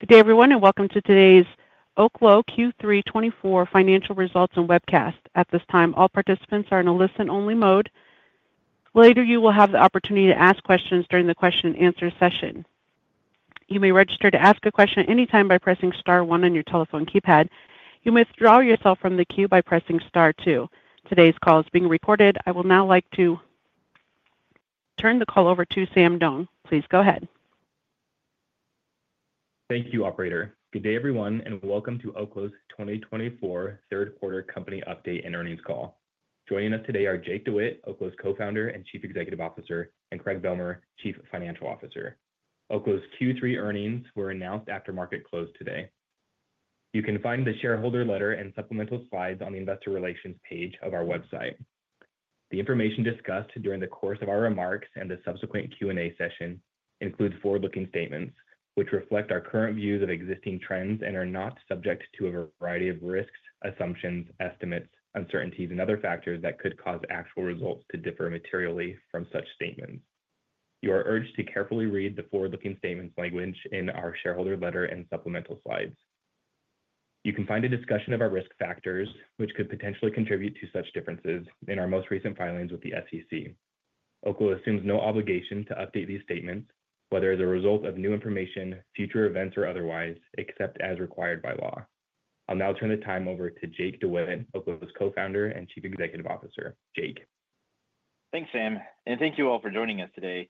Good day, everyone, and welcome to today's Oklo Q3 2024 Financial Results and Webcast. At this time, all participants are in a listen-only mode. Later, you will have the opportunity to ask questions during the question-and-answer session. You may register to ask a question at any time by pressing star one on your telephone keypad. You may withdraw yourself from the queue by pressing star two. Today's call is being recorded. I would now like to turn the call over to Sam Doane. Please go ahead. Thank you, Operator. Good day, everyone, and welcome to Oklo's 2024 Third-quarter Company Update and Earnings Call. Joining us today are Jake DeWitt, Oklo's co-founder and Chief Executive Officer, and Craig Bealmear, Chief Financial Officer. Oklo's Q3 earnings were announced after market close today. You can find the shareholder letter and supplemental slides on the investor relations page of our website. The information discussed during the course of our remarks and the subsequent Q&A session includes forward-looking statements which reflect our current views of existing trends and are not subject to a variety of risks, assumptions, estimates, uncertainties, and other factors that could cause actual results to differ materially from such statements. You are urged to carefully read the forward-looking statements language in our shareholder letter and supplemental slides. You can find a discussion of our risk factors, which could potentially contribute to such differences, in our most recent filings with the SEC. Oklo assumes no obligation to update these statements, whether as a result of new information, future events, or otherwise, except as required by law. I'll now turn the time over to Jake DeWitt, Oklo's Co-founder and Chief Executive Officer. Jake. Thanks, Sam, and thank you all for joining us today.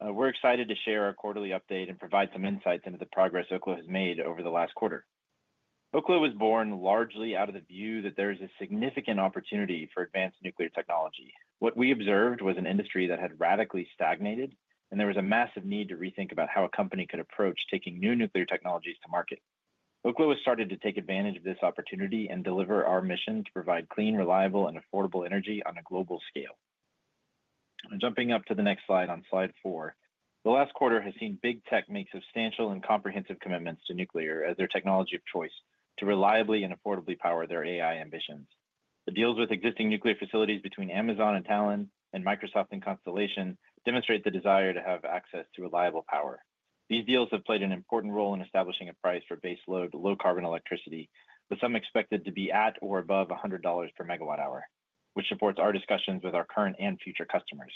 We're excited to share our quarterly update and provide some insights into the progress Oklo has made over the last quarter. Oklo was born largely out of the view that there is a significant opportunity for advanced nuclear technology. What we observed was an industry that had radically stagnated, and there was a massive need to rethink about how a company could approach taking new nuclear technologies to market. Oklo has started to take advantage of this opportunity and deliver our mission to provide clean, reliable, and affordable energy on a global scale. Jumping up to the next slide on slide four, the last quarter has seen big tech make substantial and comprehensive commitments to nuclear as their technology of choice to reliably and affordably power their AI ambitions. The deals with existing nuclear facilities between Amazon and Talen and Microsoft and Constellation demonstrate the desire to have access to reliable power. These deals have played an important role in establishing a price for baseload low-carbon electricity, with some expected to be at or above $100 per MWh, which supports our discussions with our current and future customers.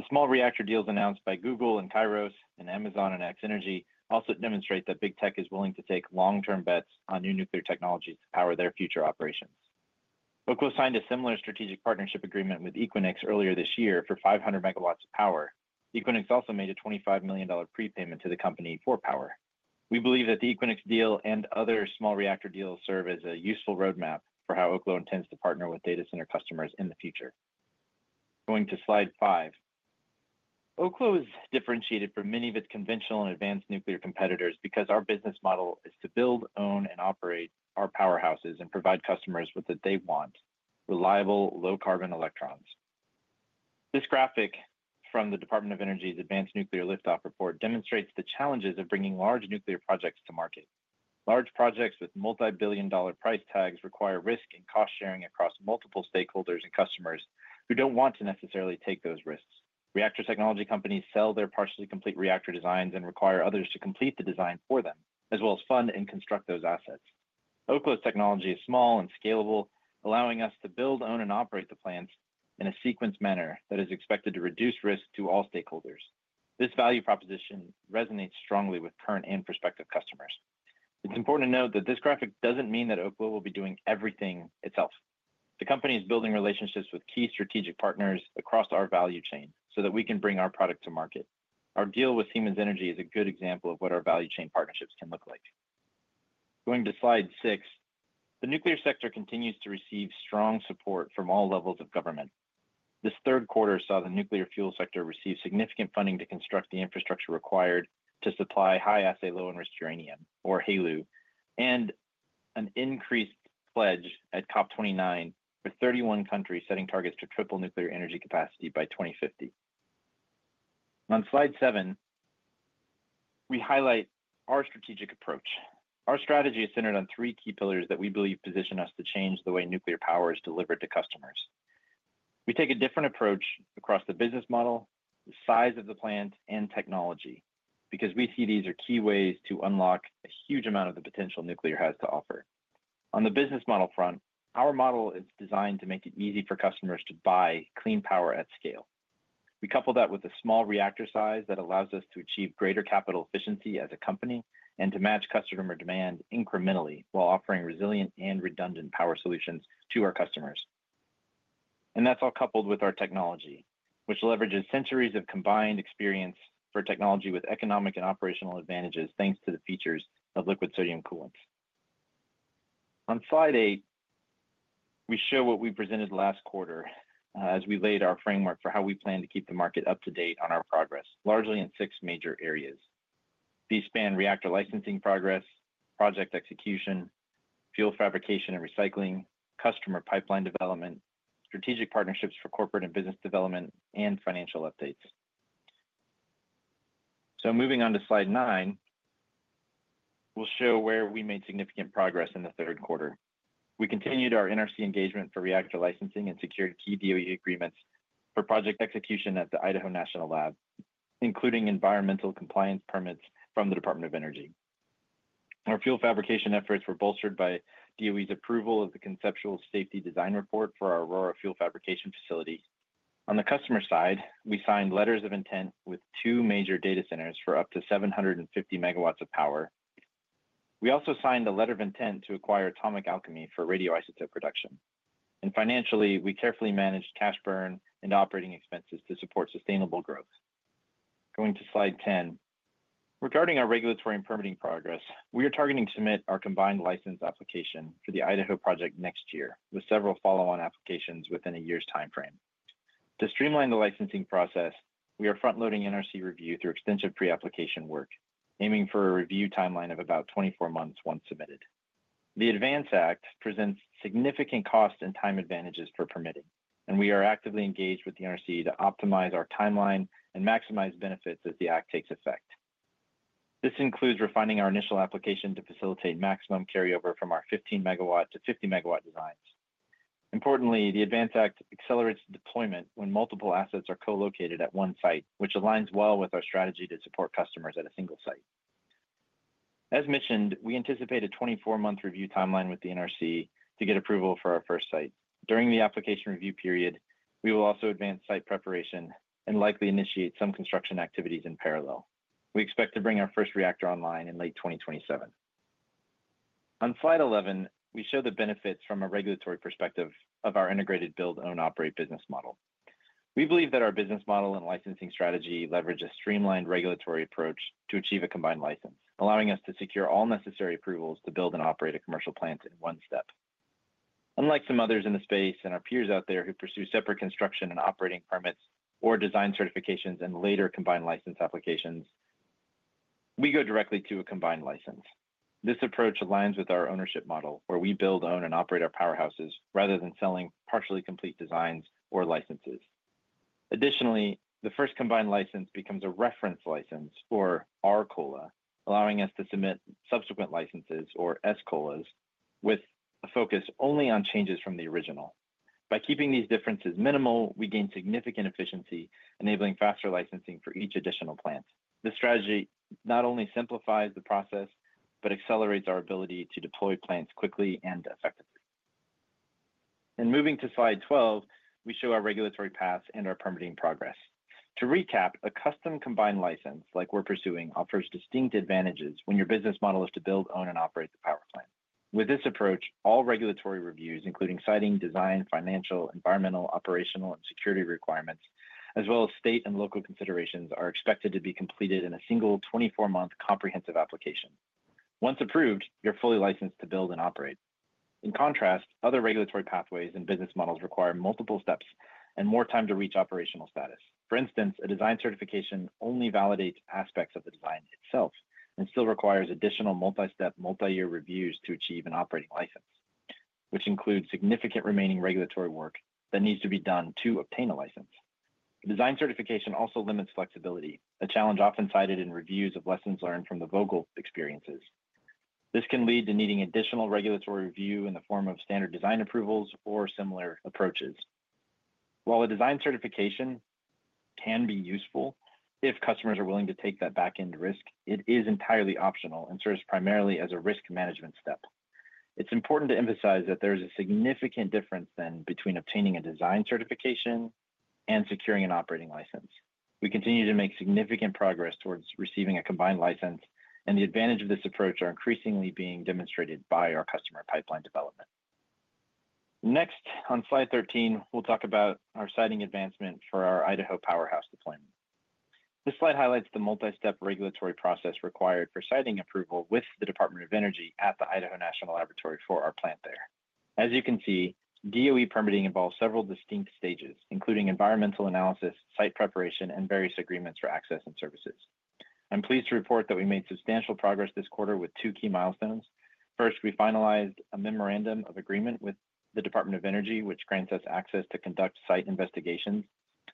The small reactor deals announced by Google and Kairos and Amazon and X-energy also demonstrate that big tech is willing to take long-term bets on new nuclear technologies to power their future operations. Oklo signed a similar strategic partnership agreement with Equinix earlier this year for 500 MWs of power. Equinix also made a $25 million prepayment to the company for power. We believe that the Equinix deal and other small reactor deals serve as a useful roadmap for how Oklo intends to partner with data center customers in the future. Going to slide five, Oklo is differentiated from many of its conventional and advanced nuclear competitors because our business model is to build, own, and operate our powerhouses and provide customers with what they want: reliable, low-carbon electrons. This graphic from the Department of Energy's Advanced Nuclear Liftoff report demonstrates the challenges of bringing large nuclear projects to market. Large projects with multi-billion-dollar price tags require risk and cost sharing across multiple stakeholders and customers who don't want to necessarily take those risks. Reactor technology companies sell their partially complete reactor designs and require others to complete the design for them, as well as fund and construct those assets. Oklo's technology is small and scalable, allowing us to build, own, and operate the plants in a sequenced manner that is expected to reduce risk to all stakeholders. This value proposition resonates strongly with current and prospective customers. It's important to note that this graphic doesn't mean that Oklo will be doing everything itself. The company is building relationships with key strategic partners across our value chain so that we can bring our product to market. Our deal with Siemens Energy is a good example of what our value chain partnerships can look like. Going to slide six, the nuclear sector continues to receive strong support from all levels of government. This third quarter saw the nuclear fuel sector receive significant funding to construct the infrastructure required to supply high-assay, low-enriched uranium, or HALEU, and an increased pledge at COP29 with 31 countries setting targets to triple nuclear energy capacity by 2050. On slide seven, we highlight our strategic approach. Our strategy is centered on three key pillars that we believe position us to change the way nuclear power is delivered to customers. We take a different approach across the business model, the size of the plant, and technology because we see these are key ways to unlock a huge amount of the potential nuclear has to offer. On the business model front, our model is designed to make it easy for customers to buy clean power at scale. We couple that with a small reactor size that allows us to achieve greater capital efficiency as a company and to match customer demand incrementally while offering resilient and redundant power solutions to our customers. And that's all coupled with our technology, which leverages centuries of combined experience for technology with economic and operational advantages thanks to the features of liquid sodium coolants. On slide eight, we show what we presented last quarter as we laid our framework for how we plan to keep the market up to date on our progress, largely in six major areas. These span reactor licensing progress, project execution, fuel fabrication and recycling, customer pipeline development, strategic partnerships for corporate and business development, and financial updates. So moving on to slide nine, we'll show where we made significant progress in the third quarter. We continued our NRC engagement for reactor licensing and secured key DOE agreements for project execution at the Idaho National Laboratory, including environmental compliance permits from the Department of Energy. Our fuel fabrication efforts were bolstered by DOE's approval of the Conceptual Safety Design Report for our Aurora fuel fabrication facility. On the customer side, we signed letters of intent with two major data centers for up to 750 MWs of power. We also signed a letter of intent to acquire Atomic Alchemy for radioisotope production, and financially, we carefully managed cash burn and operating expenses to support sustainable growth. Going to slide 10. Regarding our regulatory and permitting progress, we are targeting to submit our Combined License Application for the Idaho project next year with several follow-on applications within a year's time frame. To streamline the licensing process, we are front-loading NRC review through extensive pre-application work, aiming for a review timeline of about 24 months once submitted. The ADVANCE Act presents significant cost and time advantages for permitting, and we are actively engaged with the NRC to optimize our timeline and maximize benefits as the act takes effect. This includes refining our initial application to facilitate maximum carryover from our 15 MW to 5 MW designs. Importantly, the ADVANCE Act accelerates deployment when multiple assets are co-located at one site, which aligns well with our strategy to support customers at a single site. As mentioned, we anticipate a 24-month review timeline with the NRC to get approval for our first site. During the application review period, we will also advance site preparation and likely initiate some construction activities in parallel. We expect to bring our first reactor online in late 2027. On slide 11, we show the benefits from a regulatory perspective of our integrated build, own, operate business model. We believe that our business model and licensing strategy leverage a streamlined regulatory approach to achieve a combined license, allowing us to secure all necessary approvals to build and operate a commercial plant in one step. Unlike some others in the space and our peers out there who pursue separate construction and operating permits or design certifications and later combined license applications, we go directly to a combined license. This approach aligns with our ownership model, where we build, own, and operate our powerhouses rather than selling partially complete designs or licenses. Additionally, the first combined license becomes a reference license for our COLA, allowing us to submit subsequent licenses or S-COLAs with a focus only on changes from the original. By keeping these differences minimal, we gain significant efficiency, enabling faster licensing for each additional plant. This strategy not only simplifies the process but accelerates our ability to deploy plants quickly and effectively. And moving to slide 12, we show our regulatory paths and our permitting progress. To recap, a custom combined license like we're pursuing offers distinct advantages when your business model is to build, own, and operate the power plant. With this approach, all regulatory reviews, including siting, design, financial, environmental, operational, and security requirements, as well as state and local considerations, are expected to be completed in a single 24-month comprehensive application. Once approved, you're fully licensed to build and operate. In contrast, other regulatory pathways and business models require multiple steps and more time to reach operational status. For instance, a design certification only validates aspects of the design itself and still requires additional multi-step, multi-year reviews to achieve an operating license, which includes significant remaining regulatory work that needs to be done to obtain a license. Design certification also limits flexibility, a challenge often cited in reviews of lessons learned from the Vogtle experiences. This can lead to needing additional regulatory review in the form of standard design approvals or similar approaches. While a design certification can be useful if customers are willing to take that back-end risk, it is entirely optional and serves primarily as a risk management step. It's important to emphasize that there is a significant difference, then, between obtaining a design certification and securing an operating license. We continue to make significant progress towards receiving a combined license, and the advantage of this approach is increasingly being demonstrated by our customer pipeline development. Next, on slide 13, we'll talk about our siting advancement for our Idaho powerhouse deployment. This slide highlights the multi-step regulatory process required for siting approval with the Department of Energy at the Idaho National Laboratory for our plant there. As you can see, DOE permitting involves several distinct stages, including environmental analysis, site preparation, and various agreements for access and services. I'm pleased to report that we made substantial progress this quarter with two key milestones. First, we finalized a memorandum of agreement with the Department of Energy, which grants us access to conduct site investigations.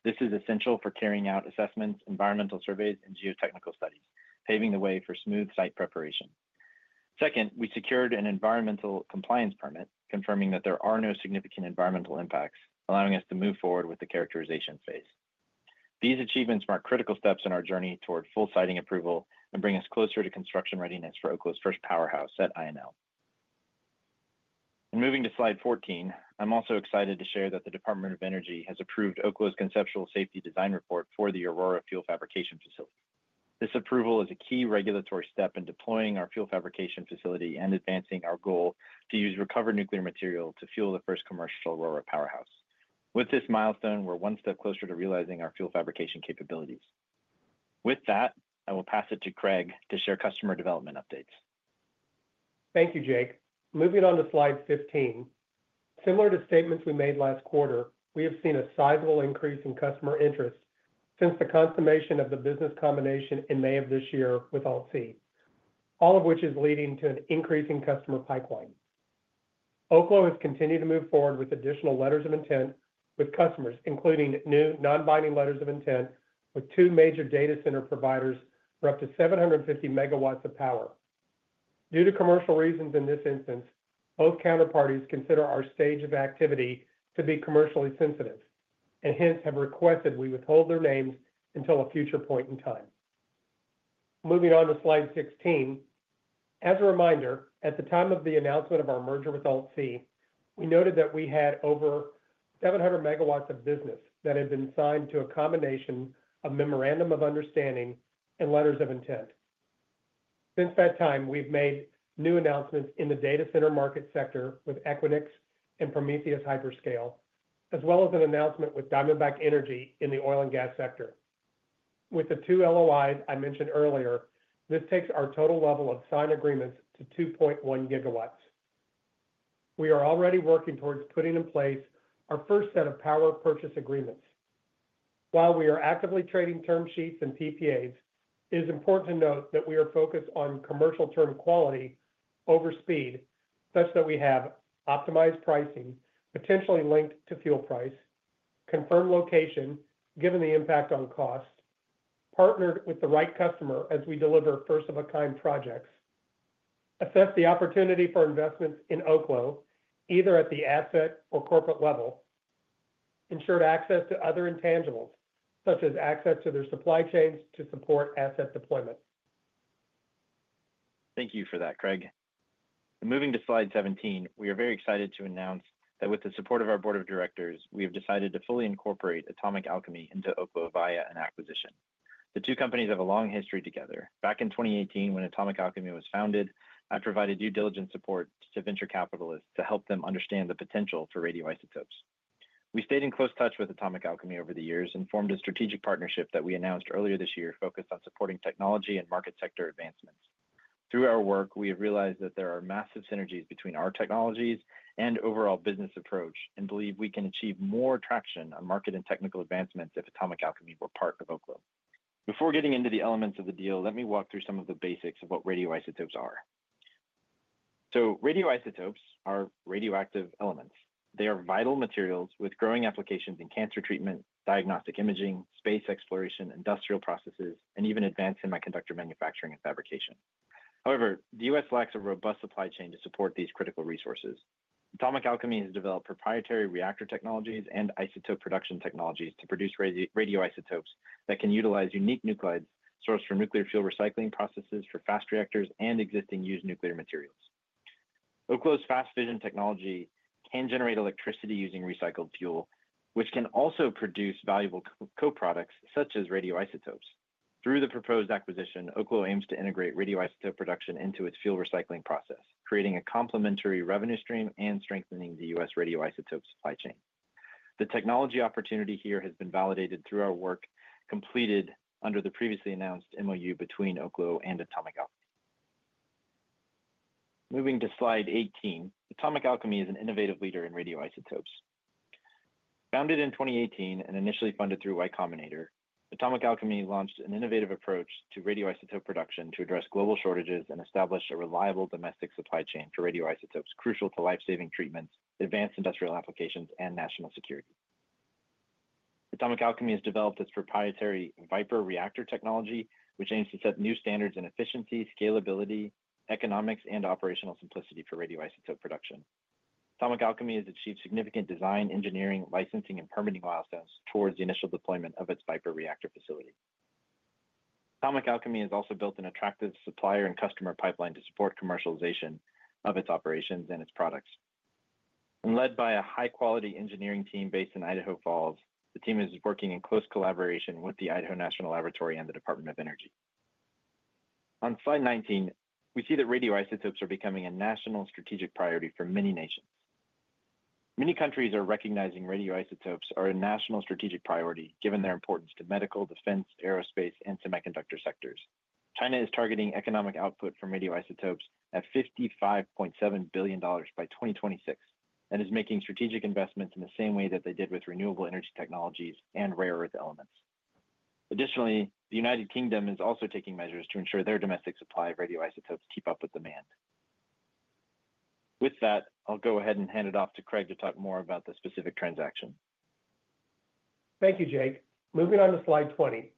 This is essential for carrying out assessments, environmental surveys, and geotechnical studies, paving the way for smooth site preparation. Second, we secured an environmental compliance permit, confirming that there are no significant environmental impacts, allowing us to move forward with the characterization phase. These achievements mark critical steps in our journey toward full siting approval and bring us closer to construction readiness for Oklo's first powerhouse at INL. Moving to slide 14, I'm also excited to share that the Department of Energy has approved Oklo's Conceptual Safety Design Report for the Aurora fuel fabrication facility. This approval is a key regulatory step in deploying our fuel fabrication facility and advancing our goal to use recovered nuclear material to fuel the first commercial Aurora powerhouse. With this milestone, we're one step closer to realizing our fuel fabrication capabilities. With that, I will pass it to Craig to share customer development updates. Thank you, Jake. Moving on to slide 15. Similar to statements we made last quarter, we have seen a sizable increase in customer interest since the consummation of the business combination in May of this year with AltC, all of which is leading to an increasing customer pipeline. Oklo has continued to move forward with additional letters of intent with customers, including new non-binding letters of intent with two major data center providers for up to 750 MWs of power. Due to commercial reasons in this instance, both counterparties consider our stage of activity to be commercially sensitive and hence have requested we withhold their names until a future point in time. Moving on to slide 16. As a reminder, at the time of the announcement of our merger with AltC, we noted that we had over 700 MWs of business that had been signed to a combination of memorandum of understanding and letters of intent. Since that time, we've made new announcements in the data center market sector with Equinix and Prometheus Hyperscale, as well as an announcement with Diamondback Energy in the oil and gas sector. With the two LOIs I mentioned earlier, this takes our total level of signed agreements to 2.1 GWs. We are already working towards putting in place our first set of power purchase agreements. While we are actively trading term sheets and PPAs, it is important to note that we are focused on commercial term quality over speed, such that we have optimized pricing potentially linked to fuel price, confirmed location given the impact on cost, partnered with the right customer as we deliver first-of-a-kind projects, assessed the opportunity for investments in Oklo either at the asset or corporate level, ensured access to other intangibles, such as access to their supply chains to support asset deployment. Thank you for that, Craig, and moving to slide 17, we are very excited to announce that with the support of our board of directors, we have decided to fully incorporate Atomic Alchemy into Oklo via an acquisition. The two companies have a long history together. Back in 2018, when Atomic Alchemy was founded, I provided due diligence support to venture capitalists to help them understand the potential for radioisotopes. We stayed in close touch with Atomic Alchemy over the years and formed a strategic partnership that we announced earlier this year focused on supporting technology and market sector advancements. Through our work, we have realized that there are massive synergies between our technologies and overall business approach, and believe we can achieve more traction on market and technical advancements if Atomic Alchemy were part of Oklo. Before getting into the elements of the deal, let me walk through some of the basics of what radioisotopes are. So radioisotopes are radioactive elements. They are vital materials with growing applications in cancer treatment, diagnostic imaging, space exploration, industrial processes, and even advanced semiconductor manufacturing and fabrication. However, the U.S. lacks a robust supply chain to support these critical resources. Atomic Alchemy has developed proprietary reactor technologies and isotope production technologies to produce radioisotopes that can utilize unique nuclei sourced from nuclear fuel recycling processes for fast reactors and existing used nuclear materials. Oklo's fast fission technology can generate electricity using recycled fuel, which can also produce valuable co-products such as radioisotopes. Through the proposed acquisition, Oklo aims to integrate radioisotope production into its fuel recycling process, creating a complementary revenue stream and strengthening the U.S. radioisotope supply chain. The technology opportunity here has been validated through our work completed under the previously announced MoU between Oklo and Atomic Alchemy. Moving to slide 18, Atomic Alchemy is an innovative leader in radioisotopes. Founded in 2018 and initially funded through Y Combinator, Atomic Alchemy launched an innovative approach to radioisotope production to address global shortages and establish a reliable domestic supply chain for radioisotopes crucial to lifesaving treatments, advanced industrial applications, and national security. Atomic Alchemy has developed its proprietary VIPR reactor technology, which aims to set new standards in efficiency, scalability, economics, and operational simplicity for radioisotope production. Atomic Alchemy has achieved significant design, engineering, licensing, and permitting milestones towards the initial deployment of its VIPR reactor facility. Atomic Alchemy has also built an attractive supplier and customer pipeline to support commercialization of its operations and its products. Led by a high-quality engineering team based in Idaho Falls, the team is working in close collaboration with the Idaho National Laboratory and the Department of Energy. On slide 19, we see that radioisotopes are becoming a national strategic priority for many nations. Many countries are recognizing radioisotopes are a national strategic priority given their importance to medical, defense, aerospace, and semiconductor sectors. China is targeting economic output from radioisotopes at $55.7 billion by 2026 and is making strategic investments in the same way that they did with renewable energy technologies and rare earth elements. Additionally, the United Kingdom is also taking measures to ensure their domestic supply of radioisotopes keep up with demand. With that, I'll go ahead and hand it off to Craig to talk more about the specific transaction. Thank you, Jake. Moving on to slide 20,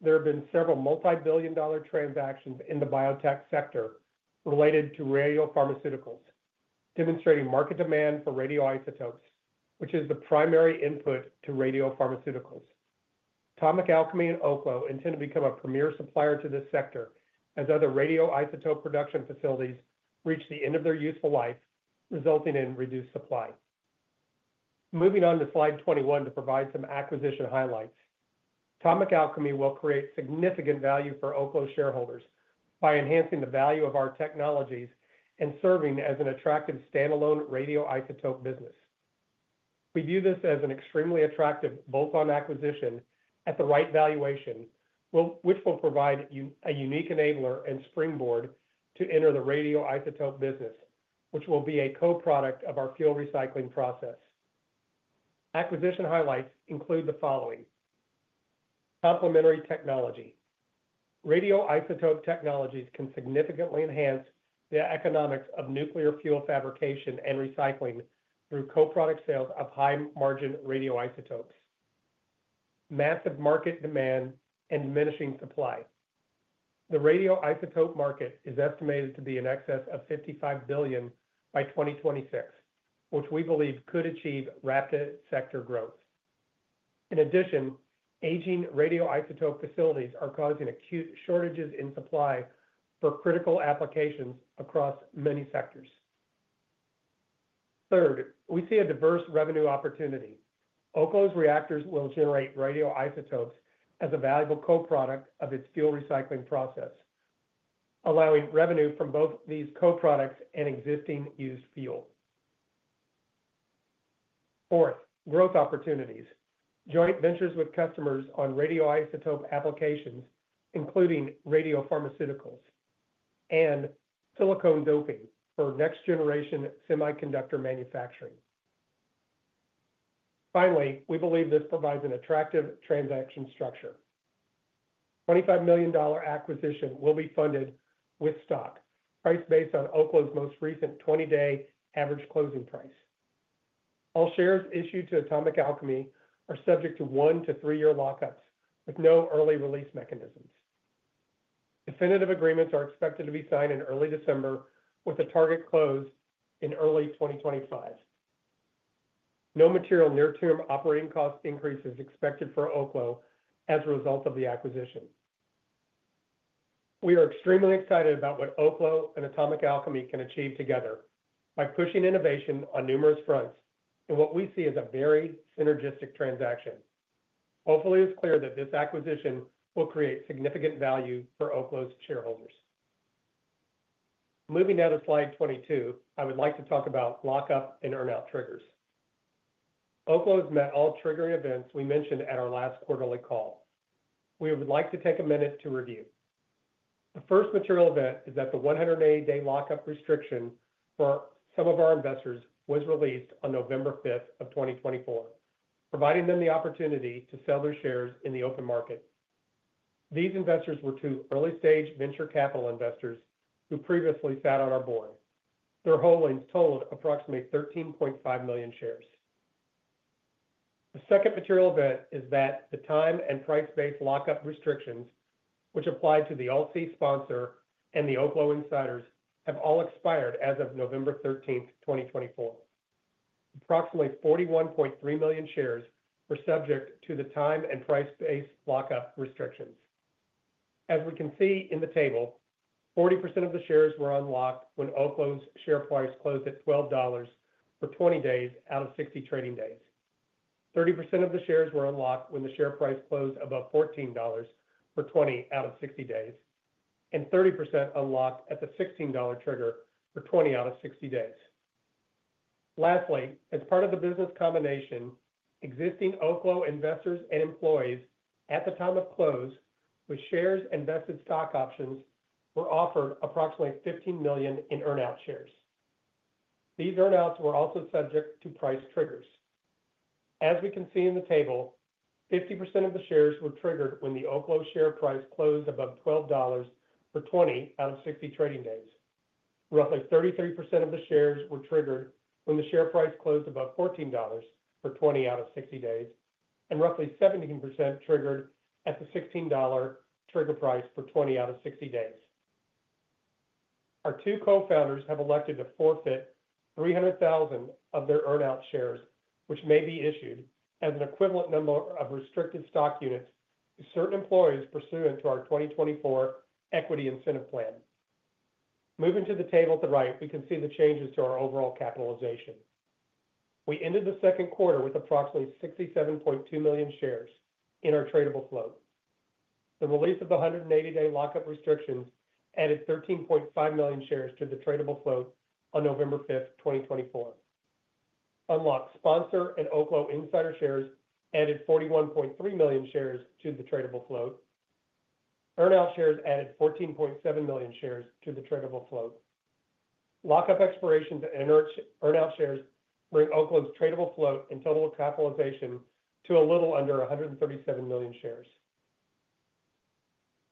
there have been several multi-billion-dollar transactions in the biotech sector related to radiopharmaceuticals, demonstrating market demand for radioisotopes, which is the primary input to radiopharmaceuticals. Atomic Alchemy and Oklo intend to become a premier supplier to this sector as other radioisotope production facilities reach the end of their useful life, resulting in reduced supply. Moving on to slide 21 to provide some acquisition highlights. Atomic Alchemy will create significant value for Oklo shareholders by enhancing the value of our technologies and serving as an attractive standalone radioisotope business. We view this as an extremely attractive bolt-on acquisition at the right valuation, which will provide a unique enabler and springboard to enter the radioisotope business, which will be a co-product of our fuel recycling process. Acquisition highlights include the following: complementary technology. Radioisotope technologies can significantly enhance the economics of nuclear fuel fabrication and recycling through co-product sales of high-margin radioisotopes. Massive market demand and diminishing supply. The radioisotope market is estimated to be in excess of $55 billion by 2026, which we believe could achieve rapid sector growth. In addition, aging radioisotope facilities are causing acute shortages in supply for critical applications across many sectors. Third, we see a diverse revenue opportunity. Oklo's reactors will generate radioisotopes as a valuable co-product of its fuel recycling process, allowing revenue from both these co-products and existing used fuel. Fourth, growth opportunities. Joint ventures with customers on radioisotope applications, including radiopharmaceuticals and silicon doping for next-generation semiconductor manufacturing. Finally, we believe this provides an attractive transaction structure. $25 million acquisition will be funded with stock, priced based on Oklo's most recent 20-day average closing price. All shares issued to Atomic Alchemy are subject to one to three-year lockups with no early release mechanisms. Definitive agreements are expected to be signed in early December, with a target closed in early 2025. No material near-term operating cost increase is expected for Oklo as a result of the acquisition. We are extremely excited about what Oklo and Atomic Alchemy can achieve together by pushing innovation on numerous fronts in what we see as a very synergistic transaction. Hopefully, it's clear that this acquisition will create significant value for Oklo's shareholders. Moving down to slide 22, I would like to talk about lockup and earn-out triggers. Oklo has met all triggering events we mentioned at our last quarterly call. We would like to take a minute to review. The first material event is that the 180-day lockup restriction for some of our investors was released on November 5th of 2024, providing them the opportunity to sell their shares in the open market. These investors were two early-stage venture capital investors who previously sat on our board. Their holdings totaled approximately 13.5 million shares. The second material event is that the time and price-based lockup restrictions, which applied to the AltC sponsor and the Oklo insiders, have all expired as of November 13th, 2024. Approximately 41.3 million shares were subject to the time and price-based lockup restrictions. As we can see in the table, 40% of the shares were unlocked when Oklo's share price closed at $12 for 20 days out of 60 trading days. 30% of the shares were unlocked when the share price closed above $14 for 20/60 days, and 30% unlocked at the $16 trigger for 20/60 days. Lastly, as part of the business combination, existing Oklo investors and employees at the time of close, with shares and vested stock options, were offered approximately 15 million in earn-out shares. These earn-outs were also subject to price triggers. As we can see in the table, 50% of the shares were triggered when the Oklo share price closed above $12 for 20/60 trading days. Roughly 33% of the shares were triggered when the share price closed above $14 for 20/60 days, and roughly 17% triggered at the $16 trigger price for 20/60 days. Our two co-founders have elected to forfeit 300,000 of their earn-out shares, which may be issued as an equivalent number of restricted stock units to certain employees pursuant to our 2024 equity incentive plan. Moving to the table to the right, we can see the changes to our overall capitalization. We ended the second quarter with approximately 67.2 million shares in our tradable float. The release of the 180-day lockup restrictions added 13.5 million shares to the tradable float on November 5th, 2024. Unlocked sponsor and Oklo insider shares added 41.3 million shares to the tradable float. Earn-out shares added 14.7 million shares to the tradable float. Lockup expirations and earn-out shares bring Oklo's tradable float and total capitalization to a little under 137 million shares.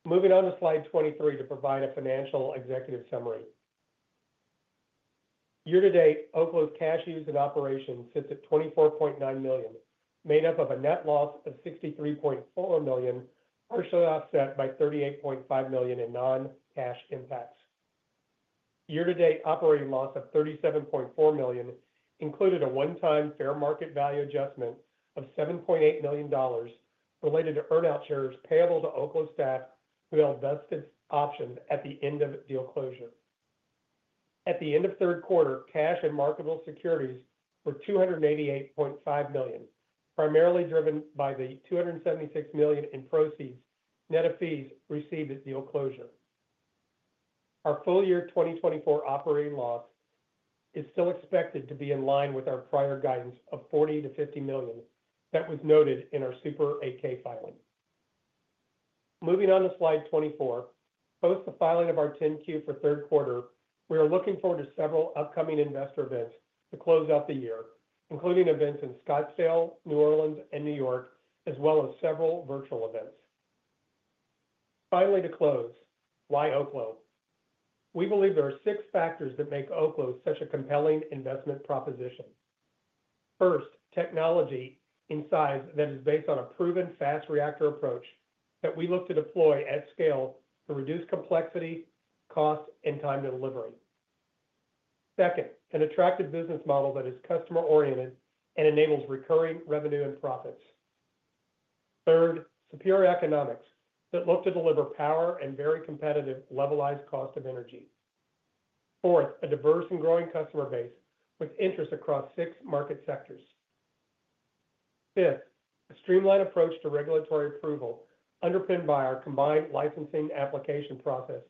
Moving on to slide 23 to provide a financial executive summary. Year-to-date, Oklo's cash use and operations sit at $24.9 million, made up of a net loss of $63.4 million, partially offset by $38.5 million in non-cash impacts. Year-to-date operating loss of $37.4 million included a one-time fair market value adjustment of $7.8 million related to earn-out shares payable to Oklo staff who held vested options at the end of deal closure. At the end of third quarter, cash and marketable securities were $288.5 million, primarily driven by the $276 million in proceeds net of fees received at deal closure. Our full year 2024 operating loss is still expected to be in line with our prior guidance of $40 million-$50 million that was noted in our Super 8-K filing. Moving on to slide 24, post the filing of our 10-Q for third quarter, we are looking forward to several upcoming investor events to close out the year, including events in Scottsdale, New Orleans, and New York, as well as several virtual events. Finally, to close, why Oklo? We believe there are six factors that make Oklo such a compelling investment proposition. First, technology inside that is based on a proven fast reactor approach that we look to deploy at scale to reduce complexity, cost, and time to delivery. Second, an attractive business model that is customer-oriented and enables recurring revenue and profits. Third, superior economics that look to deliver power and very competitive levelized cost of energy. Fourth, a diverse and growing customer base with interest across six market sectors. Fifth, a streamlined approach to regulatory approval underpinned by our combined licensing application process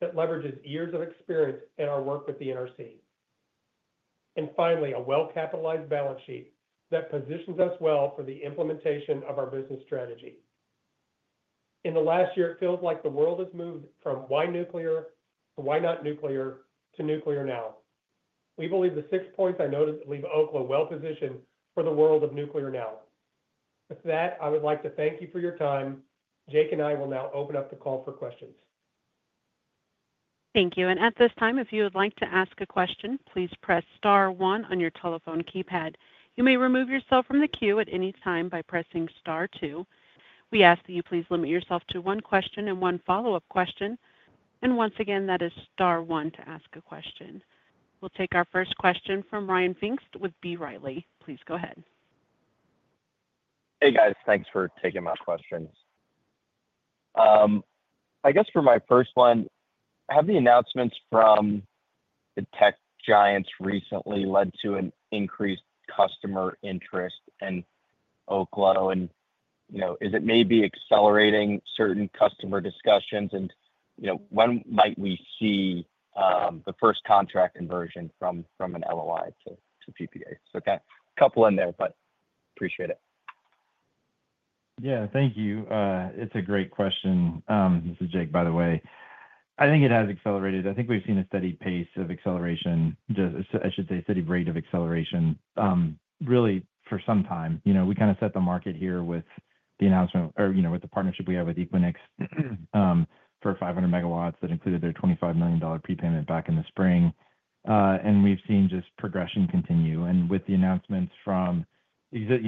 that leverages years of experience in our work with the NRC. And finally, a well-capitalized balance sheet that positions us well for the implementation of our business strategy. In the last year, it feels like the world has moved from why nuclear to why not nuclear to nuclear now. We believe the six points I noted leave Oklo well-positioned for the world of nuclear now. With that, I would like to thank you for your time. Jake and I will now open up the call for questions. Thank you. And at this time, if you would like to ask a question, please press star one on your telephone keypad. You may remove yourself from the queue at any time by pressing star two. We ask that you please limit yourself to one question and one follow-up question. And once again, that is star one to ask a question. We'll take our first question from Ryan Pfingst with B. Riley. Please go ahead. Hey, guys. Thanks for taking my questions. I guess for my first one, have the announcements from the tech giants recently led to an increased customer interest in Oklo? And is it maybe accelerating certain customer discussions? And when might we see the first contract conversion from an LOI to PPA? So a couple in there, but appreciate it. Yeah. Thank you. It's a great question. This is Jake, by the way. I think it has accelerated. I think we've seen a steady pace of acceleration, I should say steady rate of acceleration, really for some time. We kind of set the market here with the announcement or with the partnership we have with Equinix for 500 MWs that included their $25 million prepayment back in the spring, and we've seen just progression continue, and with the announcements from the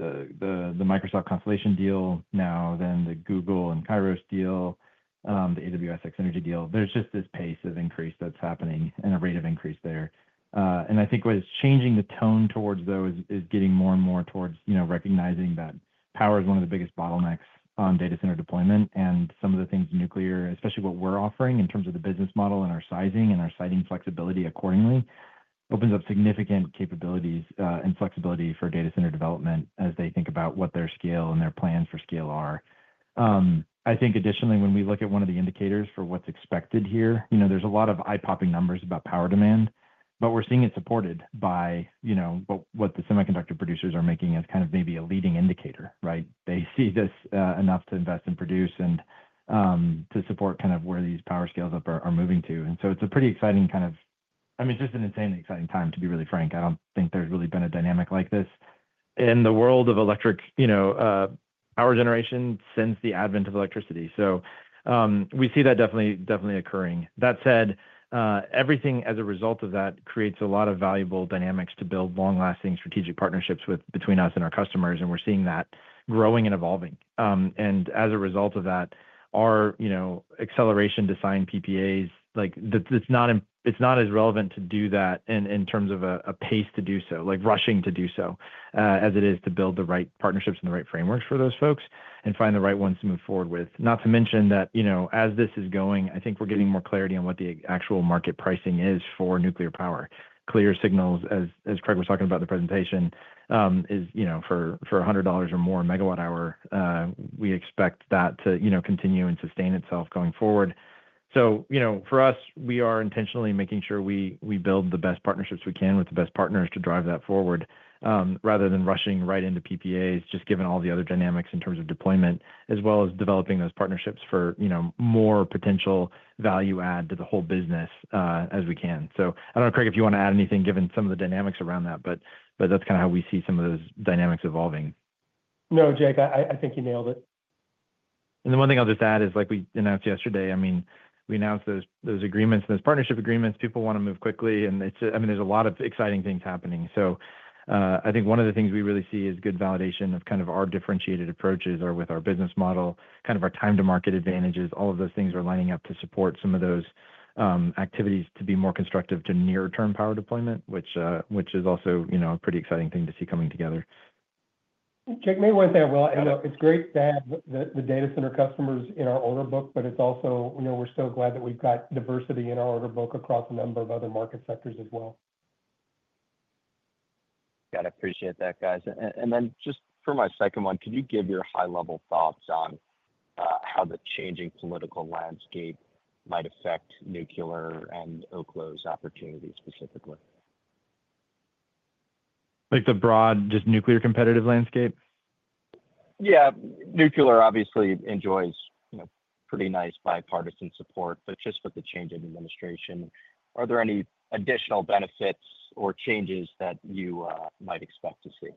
Microsoft Constellation deal now, then the Google and Kairos deal, the AWS X-energy deal, there's just this pace of increase that's happening and a rate of increase there. And I think what is changing the tone towards, though, is getting more and more towards recognizing that power is one of the biggest bottlenecks on data center deployment, and some of the things nuclear, especially what we're offering in terms of the business model and our sizing and our siting flexibility accordingly, opens up significant capabilities and flexibility for data center development as they think about what their scale and their plans for scale are. I think additionally, when we look at one of the indicators for what's expected here, there's a lot of eye-popping numbers about power demand, but we're seeing it supported by what the semiconductor producers are making as kind of maybe a leading indicator, right? They see this enough to invest and produce, and to support kind of where these power scales are moving to. And so it's a pretty exciting kind of, I mean, it's just an insanely exciting time to be really frank. I don't think there's really been a dynamic like this in the world of electric power generation since the advent of electricity. So we see that definitely occurring. That said, everything as a result of that creates a lot of valuable dynamics to build long-lasting strategic partnerships between us and our customers. And we're seeing that growing and evolving. As a result of that, our Aurora design PPAs, it's not as relevant to do that in terms of a pace to do so, like rushing to do so, as it is to build the right partnerships and the right frameworks for those folks and find the right ones to move forward with. Not to mention that as this is going, I think we're getting more clarity on what the actual market pricing is for nuclear power. Clear signals, as Craig was talking about in the presentation, is for $100 or more MWh, we expect that to continue and sustain itself going forward. So for us, we are intentionally making sure we build the best partnerships we can with the best partners to drive that forward rather than rushing right into PPAs, just given all the other dynamics in terms of deployment, as well as developing those partnerships for more potential value add to the whole business as we can. So I don't know, Craig, if you want to add anything given some of the dynamics around that, but that's kind of how we see some of those dynamics evolving. No, Jake, I think you nailed it. And the one thing I'll just add is like we announced yesterday, I mean, we announced those agreements and those partnership agreements. People want to move quickly. And I mean, there's a lot of exciting things happening. I think one of the things we really see is good validation of kind of our differentiated approaches or with our business model, kind of our time-to-market advantages. All of those things are lining up to support some of those activities to be more constructive to near-term power deployment, which is also a pretty exciting thing to see coming together. Jake, maybe one thing I will. It's great to have the data center customers in our order book, but it's also we're so glad that we've got diversity in our order book across a number of other market sectors as well. Got it. Appreciate that, guys. And then just for my second one, could you give your high-level thoughts on how the changing political landscape might affect nuclear and Oklo's opportunities specifically? Like the broad just nuclear competitive landscape? Yeah. Nuclear obviously enjoys pretty nice bipartisan support, but just with the change in administration, are there any additional benefits or changes that you might expect to see?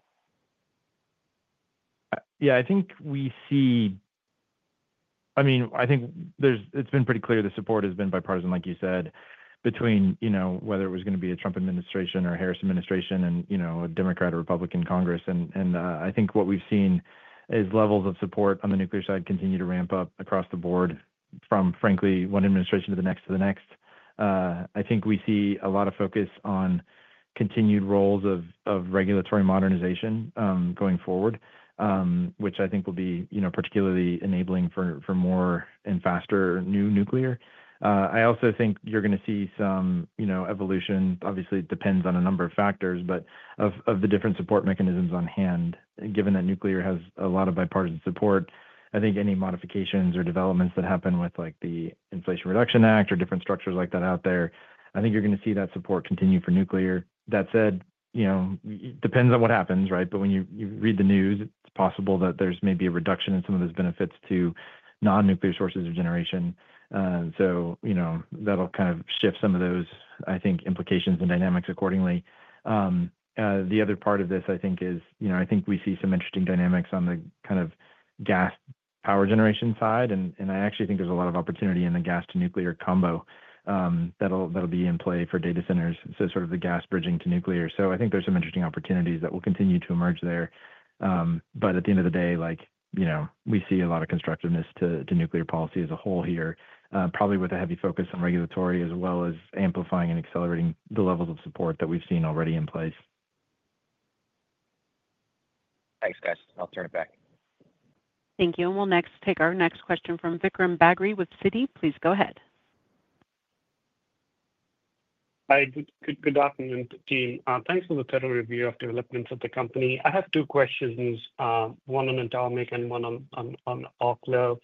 Yeah. I think we see, I mean, I think it's been pretty clear the support has been bipartisan, like you said, between whether it was going to be a Trump administration or Harris administration and a Democrat or Republican Congress. And I think what we've seen is levels of support on the nuclear side continue to ramp up across the board from, frankly, one administration to the next to the next. I think we see a lot of focus on continued roles of regulatory modernization going forward, which I think will be particularly enabling for more and faster new nuclear. I also think you're going to see some evolution. Obviously, it depends on a number of factors, but of the different support mechanisms on hand, given that nuclear has a lot of bipartisan support, I think any modifications or developments that happen with the Inflation Reduction Act or different structures like that out there, I think you're going to see that support continue for nuclear. That said, it depends on what happens, right? But when you read the news, it's possible that there's maybe a reduction in some of those benefits to non-nuclear sources of generation. So that'll kind of shift some of those, I think, implications and dynamics accordingly. The other part of this, I think, is I think we see some interesting dynamics on the kind of gas-power generation side. I actually think there's a lot of opportunity in the gas-to-nuclear combo that'll be in play for data centers, so sort of the gas bridging to nuclear. So I think there's some interesting opportunities that will continue to emerge there. But at the end of the day, we see a lot of constructiveness to nuclear policy as a whole here, probably with a heavy focus on regulatory as well as amplifying and accelerating the levels of support that we've seen already in place. Thanks, guys. I'll turn it back. Thank you. And we'll next take our next question from Vikram Bagri with Citi. Please go ahead. Hi. Good afternoon, team. Thanks for the thorough review of developments at the company. I have two questions, one on Atomic and one on Oklo.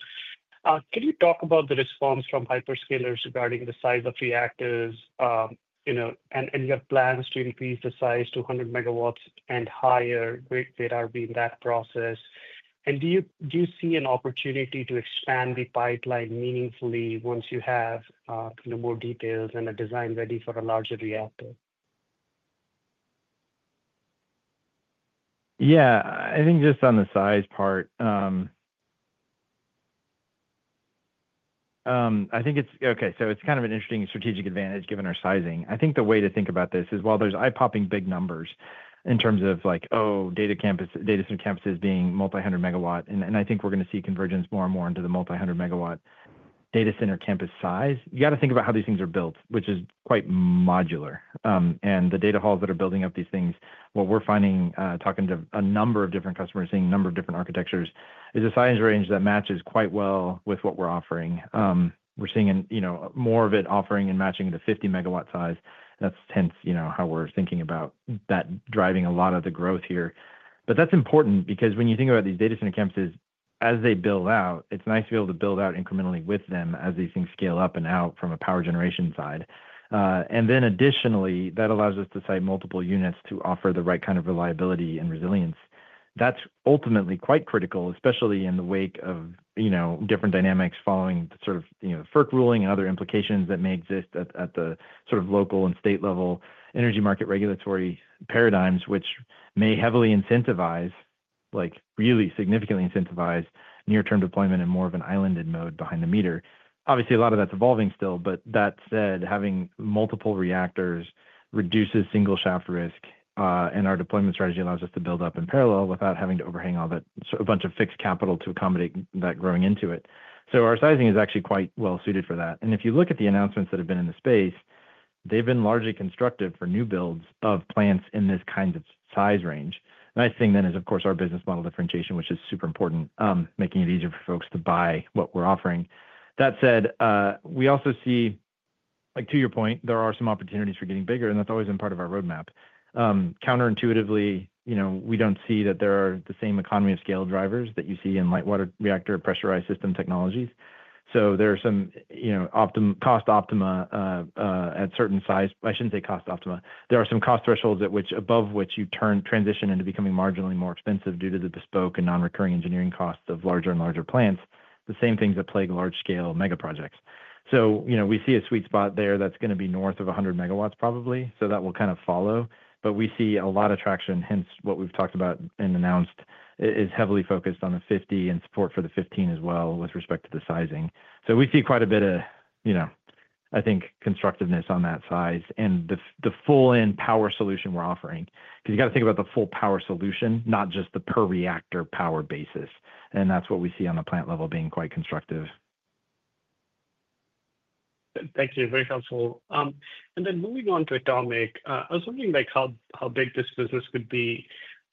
Could you talk about the response from hyperscalers regarding the size of reactors and your plans to increase the size to 100 megawatts and higher? Great that you're in that process. And do you see an opportunity to expand the pipeline meaningfully once you have more details and a design ready for a larger reactor? Yeah. I think just on the size part, I think it's okay. So it's kind of an interesting strategic advantage given our sizing. I think the way to think about this is while there's eye-popping big numbers in terms of like, "Oh, data center campuses being multi-hundred-MW." And I think we're going to see convergence more and more into the multi-hundred-MW data center campus size. You got to think about how these things are built, which is quite modular. And the data halls that are building up these things, what we're finding talking to a number of different customers, seeing a number of different architectures, is a size range that matches quite well with what we're offering. We're seeing more of it offering and matching the 50-MW size. That's hence how we're thinking about that driving a lot of the growth here. But that's important because when you think about these data center campuses as they build out, it's nice to be able to build out incrementally with them as these things scale up and out from a power generation side. And then additionally, that allows us to site multiple units to offer the right kind of reliability and resilience. That's ultimately quite critical, especially in the wake of different dynamics following sort of FERC ruling and other implications that may exist at the sort of local and state-level energy market regulatory paradigms, which may heavily incentivize, really significantly incentivize near-term deployment and more of an islanded mode behind the meter. Obviously, a lot of that's evolving still, but that said, having multiple reactors reduces single-shaft risk, and our deployment strategy allows us to build up in parallel without having to overhang all that a bunch of fixed capital to accommodate that growing into it. So our sizing is actually quite well-suited for that, and if you look at the announcements that have been in the space, they've been largely constructive for new builds of plants in this kind of size range. The nice thing then is, of course, our business model differentiation, which is super important, making it easier for folks to buy what we're offering. That said, we also see, to your point, there are some opportunities for getting bigger, and that's always been part of our roadmap. Counterintuitively, we don't see that there are the same economy of scale drivers that you see in light water reactor pressurized system technologies. So there are some cost optima at certain size. I shouldn't say cost optima. There are some cost thresholds at which above which you transition into becoming marginally more expensive due to the bespoke and non-recurring engineering costs of larger and larger plants, the same things that plague large-scale mega projects. So we see a sweet spot there that's going to be north of 100 MWs probably. So that will kind of follow. But we see a lot of traction. Hence what we've talked about and announced is heavily focused on the 50 and support for the 15 as well with respect to the sizing. So we see quite a bit of, I think, constructiveness on that size and the full-in power solution we're offering. Because you got to think about the full power solution, not just the per-reactor power basis. And that's what we see on the plant level being quite constructive. Thank you. Very helpful. And then moving on to Atomic, I was wondering how big this business could be.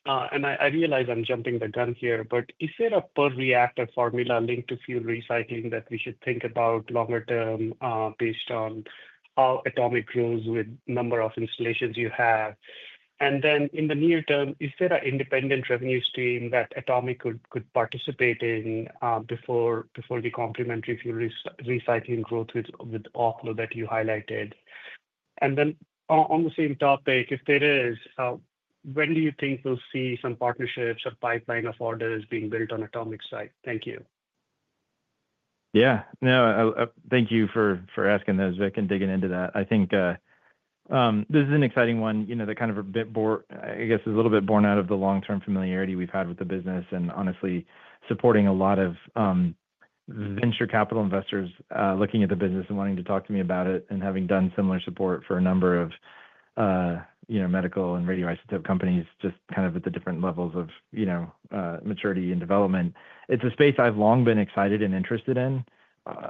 And I realize I'm jumping the gun here, but is there a per-reactor formula linked to fuel recycling that we should think about longer term based on how Atomic grows with the number of installations you have? And then in the near term, is there an independent revenue stream that Atomic could participate in before the complementary fuel recycling growth with Oklo that you highlighted? And then on the same topic, if there is, when do you think we'll see some partnerships or pipeline of orders being built on Atomic's side? Thank you. Yeah. No, thank you for asking those. Vikram, digging into that. I think this is an exciting one that kind of a bit more, I guess, is a little bit borne out of the long-term familiarity we've had with the business and honestly supporting a lot of venture capital investors looking at the business and wanting to talk to me about it and having done similar support for a number of medical and radioisotope companies just kind of at the different levels of maturity and development. It's a space I've long been excited and interested in.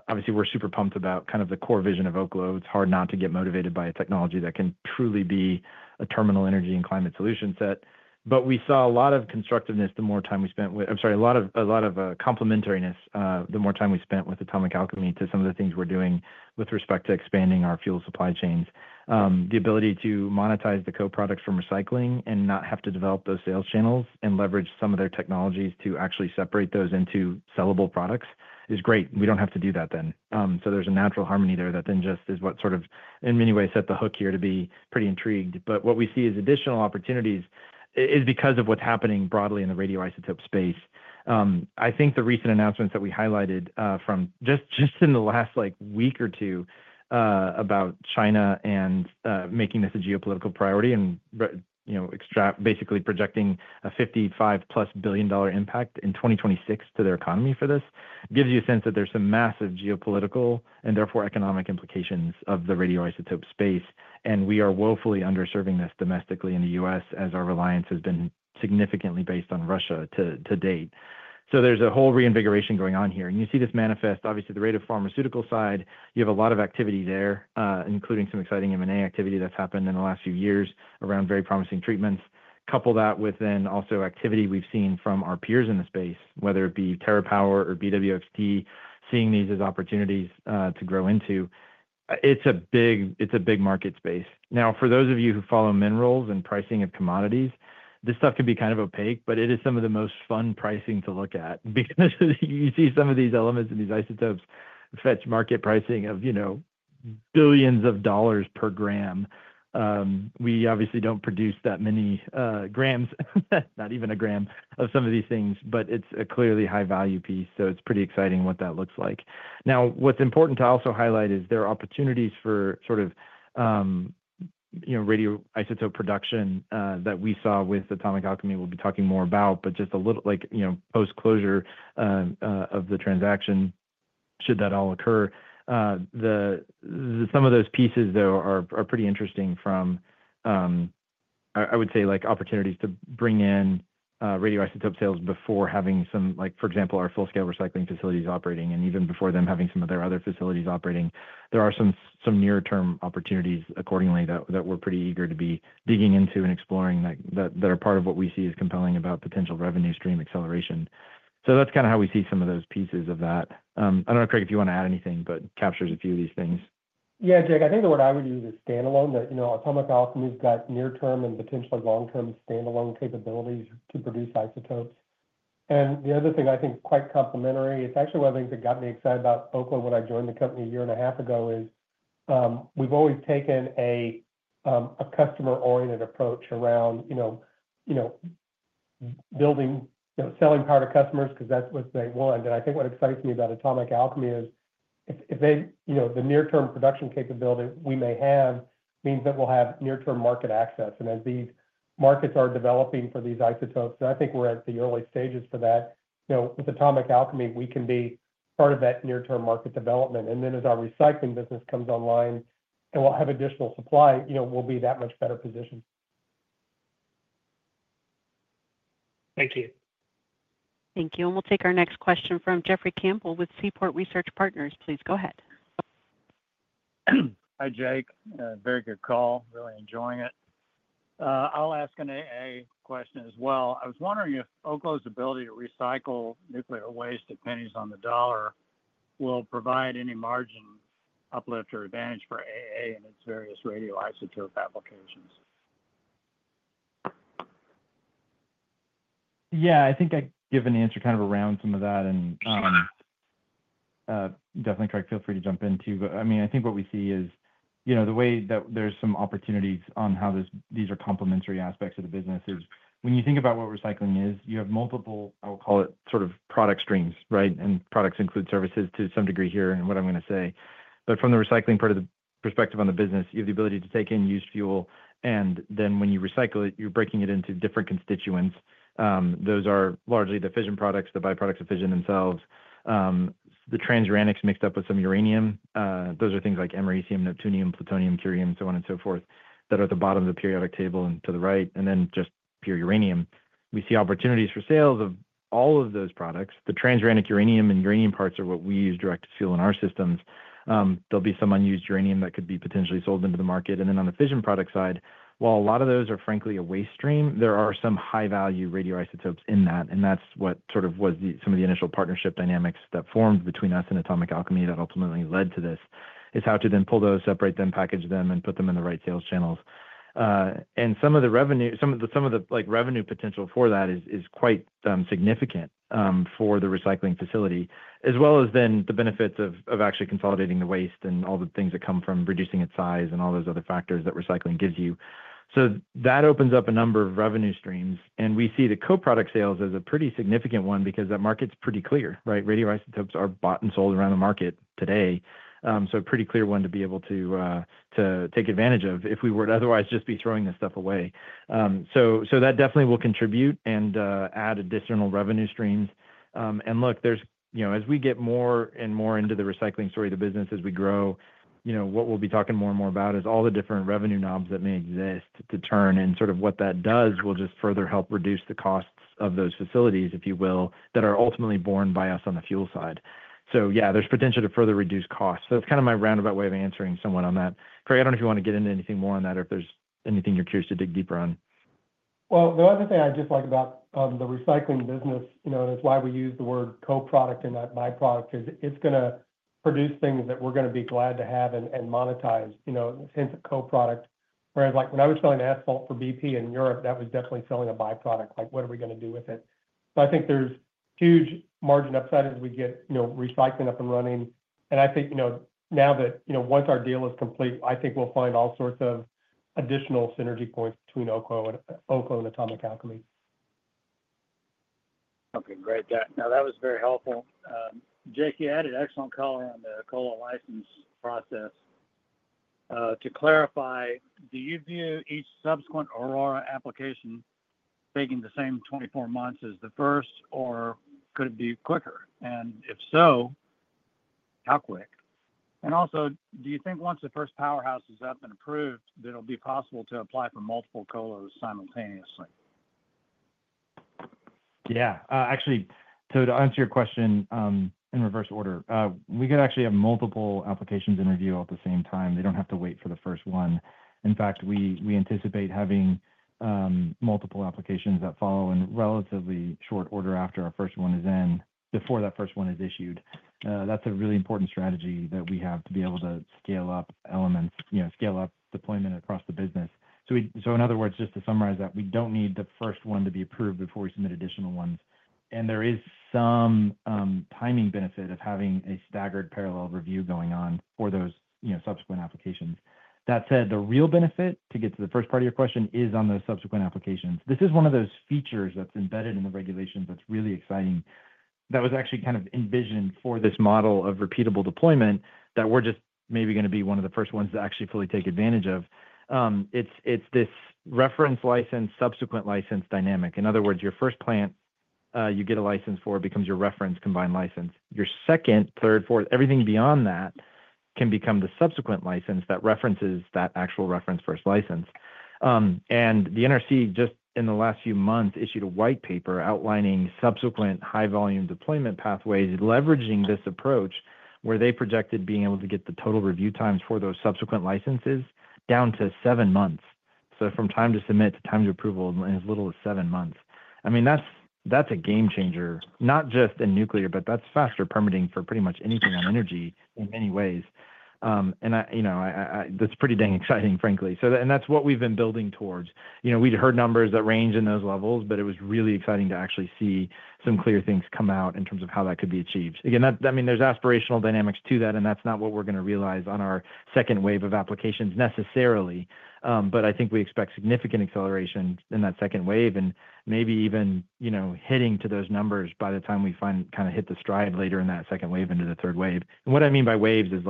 Obviously, we're super pumped about kind of the core vision of Oklo. It's hard not to get motivated by a technology that can truly be a terminal energy and climate solution set. But we saw a lot of constructiveness the more time we spent with, I'm sorry, a lot of complementariness the more time we spent with Atomic Alchemy to some of the things we're doing with respect to expanding our fuel supply chains. The ability to monetize the co-products from recycling and not have to develop those sales channels and leverage some of their technologies to actually separate those into sellable products is great. We don't have to do that then. So there's a natural harmony there that then just is what sort of, in many ways, set the hook here to be pretty intrigued. But what we see as additional opportunities is because of what's happening broadly in the radioisotope space. I think the recent announcements that we highlighted from just in the last week or two about China and making this a geopolitical priority and basically projecting a $55-plus billion impact in 2026 to their economy for this gives you a sense that there's some massive geopolitical and therefore economic implications of the radioisotope space. And we are woefully underserving this domestically in the U.S. as our reliance has been significantly based on Russia to date. So there's a whole reinvigoration going on here. And you see this manifest, obviously, on the pharmaceutical side. You have a lot of activity there, including some exciting M&A activity that's happened in the last few years around very promising treatments. Couple that with the activity we've also seen from our peers in the space, whether it be TerraPower or BWXT, seeing these as opportunities to grow into. It's a big market space. Now, for those of you who follow minerals and pricing of commodities, this stuff can be kind of opaque, but it is some of the most fun pricing to look at because you see some of these elements in these isotopes fetch market pricing of billions of dollars per gram. We obviously don't produce that many grams, not even a gram of some of these things, but it's a clearly high-value piece. So it's pretty exciting what that looks like. Now, what's important to also highlight is there are opportunities for sort of radioisotope production that we saw with Atomic Alchemy we'll be talking more about, but just a little post-closure of the transaction should that all occur. Some of those pieces, though, are pretty interesting from, I would say, opportunities to bring in radioisotope sales before having some, for example, our full-scale recycling facilities operating and even before them having some of their other facilities operating. There are some near-term opportunities accordingly that we're pretty eager to be digging into and exploring that are part of what we see as compelling about potential revenue stream acceleration. So that's kind of how we see some of those pieces of that. I don't know, Craig, if you want to add anything, but captures a few of these things. Yeah, Jake, I think the word I would use is standalone, that Atomic Alchemy's got near-term and potentially long-term standalone capabilities to produce isotopes. And the other thing I think quite complementary. It's actually one of the things that got me excited about Oklo when I joined the company a year and a half ago. It is we've always taken a customer-oriented approach around building selling power to customers because that's what they want. And I think what excites me about Atomic Alchemy is if the near-term production capability we may have means that we'll have near-term market access. And as these markets are developing for these isotopes, and I think we're at the early stages for that, with Atomic Alchemy, we can be part of that near-term market development. And then as our recycling business comes online and we'll have additional supply, we'll be that much better positioned. Thank you. Thank you. And we'll take our next question from Jeffrey Campbell with Seaport Research Partners. Please go ahead. Hi, Jake. Very good call. Really enjoying it. I'll ask an AA question as well. I was wondering if Oklo's ability to recycle nuclear waste, depending on the dollar, will provide any margin uplift or advantage for AA and its various radioisotope applications. Yeah, I think I've given the answer kind of around some of that, and definitely, Craig, feel free to jump in too. But I mean, I think what we see is the way that there's some opportunities on how these are complementary aspects of the business is when you think about what recycling is, you have multiple, I will call it sort of product streams, right, and products include services to some degree here in what I'm going to say. But from the recycling perspective on the business, you have the ability to take in used fuel, and then when you recycle it, you're breaking it into different constituents. Those are largely the fission products, the byproducts of fission themselves, the transuranics mixed up with some uranium. Those are things like americium, neptunium, plutonium, curium, so on and so forth that are at the bottom of the periodic table and to the right, and then just pure uranium. We see opportunities for sales of all of those products. The transuranic uranium and uranium parts are what we use direct to fuel in our systems. There'll be some unused uranium that could be potentially sold into the market, and then on the fission product side, while a lot of those are frankly a waste stream, there are some high-value radioisotopes in that. That's what sort of was some of the initial partnership dynamics that formed between us and Atomic Alchemy that ultimately led to this is how to then pull those, separate them, package them, and put them in the right sales channels. Some of the revenue, some of the revenue potential for that is quite significant for the recycling facility, as well as then the benefits of actually consolidating the waste and all the things that come from reducing its size and all those other factors that recycling gives you. That opens up a number of revenue streams. We see the co-product sales as a pretty significant one because that market's pretty clear, right? Radioisotopes are bought and sold around the market today. It's a pretty clear one to be able to take advantage of if we would otherwise just be throwing this stuff away. So that definitely will contribute and add additional revenue streams. And look, as we get more and more into the recycling story of the business as we grow, what we'll be talking more and more about is all the different revenue knobs that may exist to turn. And sort of what that does will just further help reduce the costs of those facilities, if you will, that are ultimately borne by us on the fuel side. So yeah, there's potential to further reduce costs. So that's kind of my roundabout way of answering someone on that. Craig, I don't know if you want to get into anything more on that or if there's anything you're curious to dig deeper on. The other thing I just like about the recycling business, and it's why we use the word co-product and not byproduct, is it's going to produce things that we're going to be glad to have and monetize, hence a co-product. Whereas when I was selling asphalt for BP in Europe, that was definitely selling a byproduct. What are we going to do with it? But I think there's huge margin upside as we get recycling up and running. I think now that once our deal is complete, we'll find all sorts of additional synergy points between Oklo and Atomic Alchemy. Okay. Great. Now, that was very helpful. Jake, you added excellent color on the COLA license process. To clarify, do you view each subsequent Aurora application taking the same 24 months as the first, or could it be quicker? And if so, how quick? And also, do you think once the first powerhouse is up and approved, that it'll be possible to apply for multiple COLAs simultaneously? Yeah. Actually, to answer your question in reverse order, we could actually have multiple applications in review at the same time. They don't have to wait for the first one. In fact, we anticipate having multiple applications that follow in relatively short order after our first one is in, before that first one is issued. That's a really important strategy that we have to be able to scale up elements, scale up deployment across the business. So in other words, just to summarize that, we don't need the first one to be approved before we submit additional ones. And there is some timing benefit of having a staggered parallel review going on for those subsequent applications. That said, the real benefit to get to the first part of your question is on those subsequent applications. This is one of those features that's embedded in the regulations that's really exciting that was actually kind of envisioned for this model of repeatable deployment that we're just maybe going to be one of the first ones to actually fully take advantage of. It's this reference license, subsequent license dynamic. In other words, your first plant you get a license for becomes your reference combined license. Your second, third, fourth, everything beyond that can become the subsequent license that references that actual reference first license. And the NRC, just in the last few months, issued a white paper outlining subsequent high-volume deployment pathways leveraging this approach where they projected being able to get the total review times for those subsequent licenses down to seven months. So from time to submit to time to approval in as little as seven months. I mean, that's a game changer, not just in nuclear, but that's faster permitting for pretty much anything on energy in many ways. And that's pretty dang exciting, frankly. And that's what we've been building towards. We'd heard numbers that range in those levels, but it was really exciting to actually see some clear things come out in terms of how that could be achieved. Again, I mean, there's aspirational dynamics to that, and that's not what we're going to realize on our second wave of applications necessarily. But I think we expect significant acceleration in that second wave and maybe even hitting to those numbers by the time we kind of hit the stride later in that second wave into the third wave. And what I mean by waves is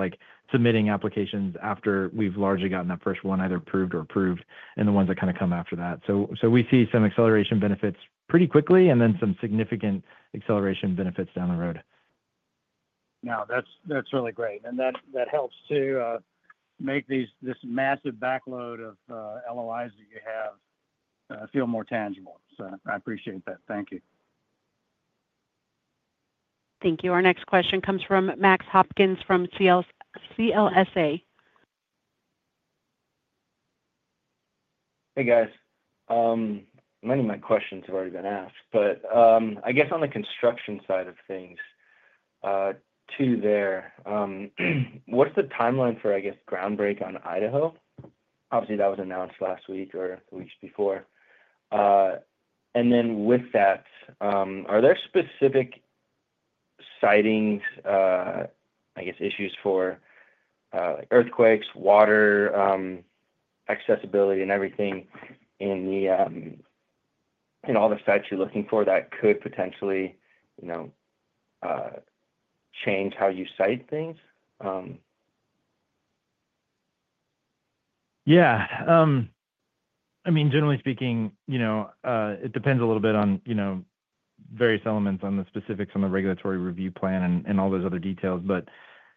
submitting applications after we've largely gotten that first one either approved or approved and the ones that kind of come after that. So we see some acceleration benefits pretty quickly and then some significant acceleration benefits down the road. Now, that's really great. And that helps to make this massive backlog of LOIs that you have feel more tangible. So I appreciate that. Thank you. Thank you. Our next question comes from Max Hopkins from CLSA. Hey, guys. Many of my questions have already been asked, but I guess on the construction side of things, too there, what's the timeline for, I guess, groundbreaking on Idaho? Obviously, that was announced last week or weeks before. And then with that, are there specific siting, I guess, issues for earthquakes, water, accessibility, and everything in all the sites you're looking for that could potentially change how you site things? Yeah. I mean, generally speaking, it depends a little bit on various elements on the specifics on the regulatory review plan and all those other details. But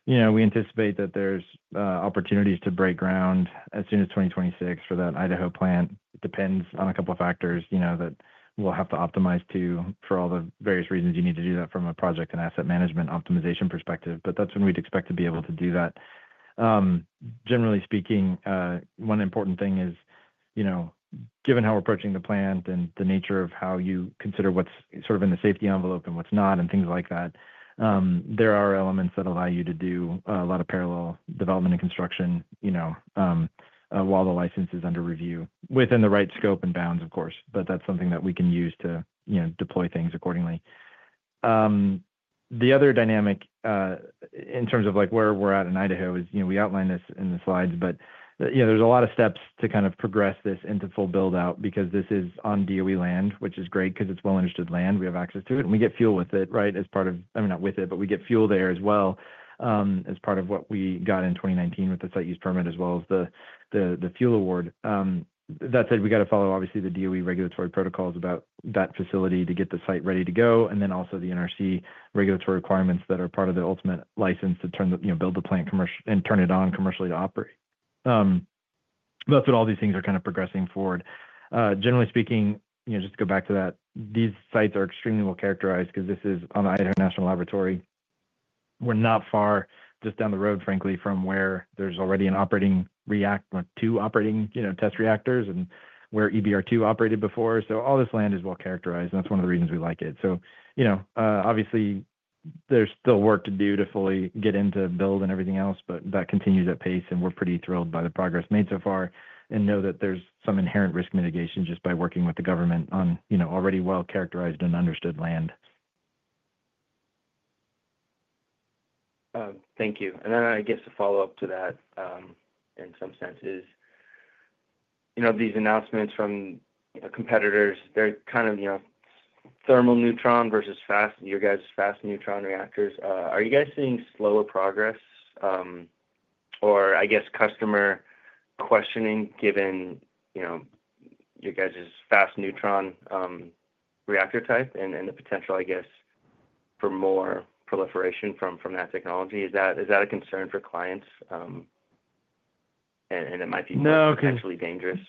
we anticipate that there's opportunities to break ground as soon as 2026 for that Idaho plant. It depends on a couple of factors that we'll have to optimize to for all the various reasons you need to do that from a project and asset management optimization perspective. But that's when we'd expect to be able to do that. Generally speaking, one important thing is given how we're approaching the plant and the nature of how you consider what's sort of in the safety envelope and what's not, and things like that, there are elements that allow you to do a lot of parallel development and construction while the license is under review within the right scope and bounds, of course. But that's something that we can use to deploy things accordingly. The other dynamic in terms of where we're at in Idaho is we outlined this in the slides, but there's a lot of steps to kind of progress this into full build-out because this is on DOE land, which is great because it's well-understood land. We have access to it, and we get fuel with it, right, as part of I mean, not with it, but we get fuel there as well as part of what we got in 2019 with the site use permit as well as the fuel award. That said, we got to follow, obviously, the DOE regulatory protocols about that facility to get the site ready to go, and then also the NRC regulatory requirements that are part of the ultimate license to build the plant and turn it on commercially to operate. That's what all these things are kind of progressing forward. Generally speaking, just to go back to that, these sites are extremely well characterized because this is on the Idaho National Laboratory. We're not far just down the road, frankly, from where there's already an operating reactor or two operating test reactors and where EBR-II operated before. So all this land is well characterized, and that's one of the reasons we like it. So obviously, there's still work to do to fully get into build and everything else, but that continues at pace, and we're pretty thrilled by the progress made so far and know that there's some inherent risk mitigation just by working with the government on already well-characterized and understood land. Thank you. And then I guess a follow-up to that in some sense is these announcements from competitors, they're kind of thermal neutron versus fast, your guys' fast neutron reactors. Are you guys seeing slower progress or, I guess, customer questioning given your guys' fast neutron reactor type and the potential, I guess, for more proliferation from that technology? Is that a concern for clients? And it might be potentially dangerous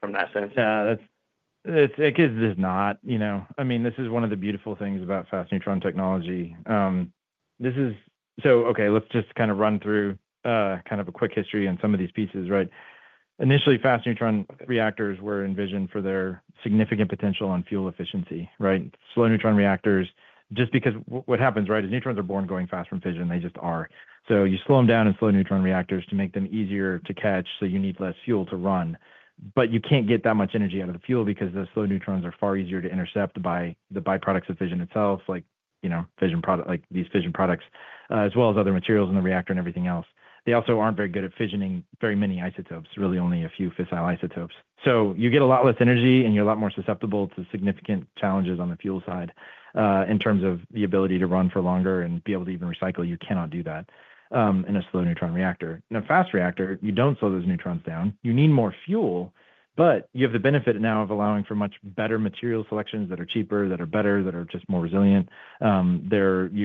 from that sense. Yeah. It is not. I mean, this is one of the beautiful things about fast neutron technology. So okay, let's just kind of run through kind of a quick history on some of these pieces, right? Initially, fast neutron reactors were envisioned for their significant potential on fuel efficiency, right? Slow neutron reactors, just because what happens, right, is neutrons are born going fast from fission. They just are. So you slow them down in slow neutron reactors to make them easier to catch, so you need less fuel to run. But you can't get that much energy out of the fuel because the slow neutrons are far easier to intercept by the byproducts of fission itself, like these fission products, as well as other materials in the reactor and everything else. They also aren't very good at fissioning very many isotopes, really only a few fissile isotopes. So you get a lot less energy, and you're a lot more susceptible to significant challenges on the fuel side in terms of the ability to run for longer and be able to even recycle. You cannot do that in a slow neutron reactor. In a fast reactor, you don't slow those neutrons down. You need more fuel, but you have the benefit now of allowing for much better material selections that are cheaper, that are better, that are just more resilient. You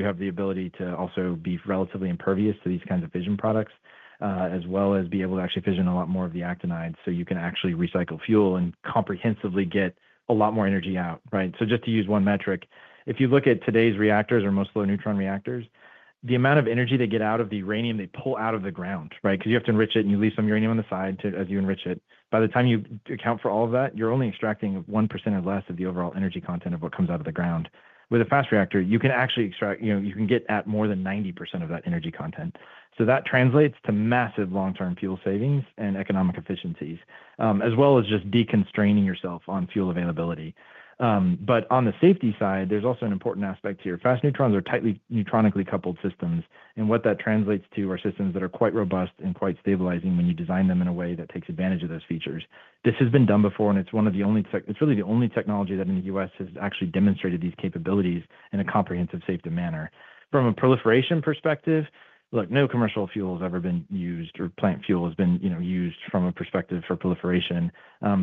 have the ability to also be relatively impervious to these kinds of fission products, as well as be able to actually fission a lot more of the actinide so you can actually recycle fuel and comprehensively get a lot more energy out, right? Just to use one metric, if you look at today's reactors or most slow neutron reactors, the amount of energy they get out of the uranium they pull out of the ground, right? Because you have to enrich it, and you leave some uranium on the side as you enrich it. By the time you account for all of that, you're only extracting 1% or less of the overall energy content of what comes out of the ground. With a fast reactor, you can actually extract. You can get at more than 90% of that energy content. That translates to massive long-term fuel savings and economic efficiencies, as well as just deconstraining yourself on fuel availability. But on the safety side, there's also an important aspect here. Fast neutrons are tightly neutronically coupled systems. What that translates to are systems that are quite robust and quite stabilizing when you design them in a way that takes advantage of those features. This has been done before, and it's one of the only, it's really the only technology that in the U.S. has actually demonstrated these capabilities in a comprehensive safety manner. From a proliferation perspective, look, no commercial fuel has ever been used or plant fuel has been used from a perspective for proliferation.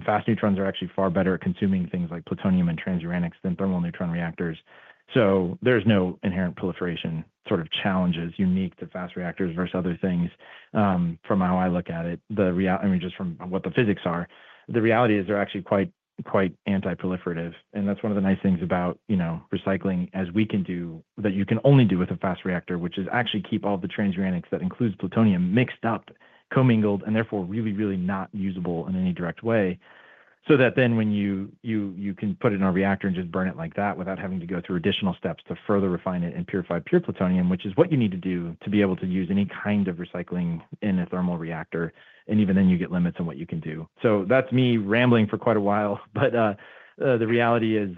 Fast neutrons are actually far better at consuming things like plutonium and transuranics than thermal neutron reactors. So there's no inherent proliferation sort of challenges unique to fast reactors versus other things from how I look at it, I mean, just from what the physics are. The reality is they're actually quite anti-proliferative. And that's one of the nice things about recycling, as we can do, that you can only do with a fast reactor, which is actually keep all the transuranics that includes plutonium mixed up, commingled, and therefore really, really not usable in any direct way. So that then when you can put it in a reactor and just burn it like that without having to go through additional steps to further refine it and purify pure plutonium, which is what you need to do to be able to use any kind of recycling in a thermal reactor. And even then you get limits on what you can do. So that's me rambling for quite a while, but the reality is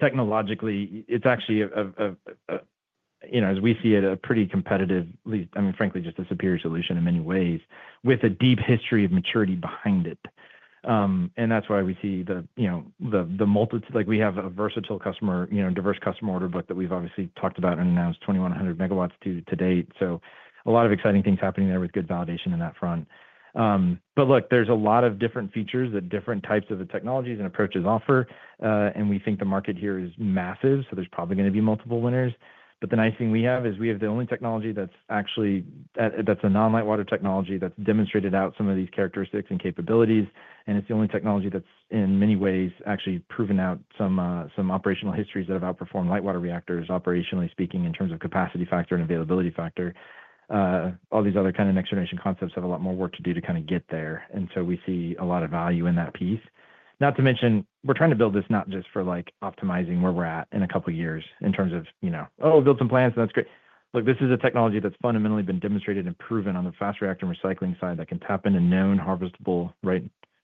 technologically, it's actually, as we see it, a pretty competitive, at least, I mean, frankly, just a superior solution in many ways with a deep history of maturity behind it. And that's why we see the multitude, we have a versatile customer, diverse customer order book that we've obviously talked about and announced 2,100 MWs to date. So a lot of exciting things happening there with good validation in that front. But look, there's a lot of different features that different types of the technologies and approaches offer. And we think the market here is massive, so there's probably going to be multiple winners. But the nice thing we have is we have the only technology that's actually, that's a non-light water technology that's demonstrated out some of these characteristics and capabilities. And it's the only technology that's, in many ways, actually proven out some operational histories that have outperformed light water reactors, operationally speaking, in terms of capacity factor and availability factor. All these other kind of next-generation concepts have a lot more work to do to kind of get there. And so we see a lot of value in that piece. Not to mention, we're trying to build this not just for optimizing where we're at in a couple of years in terms of, "Oh, we'll build some plants, and that's great." Look, this is a technology that's fundamentally been demonstrated and proven on the fast reactor and recycling side that can tap into known harvestable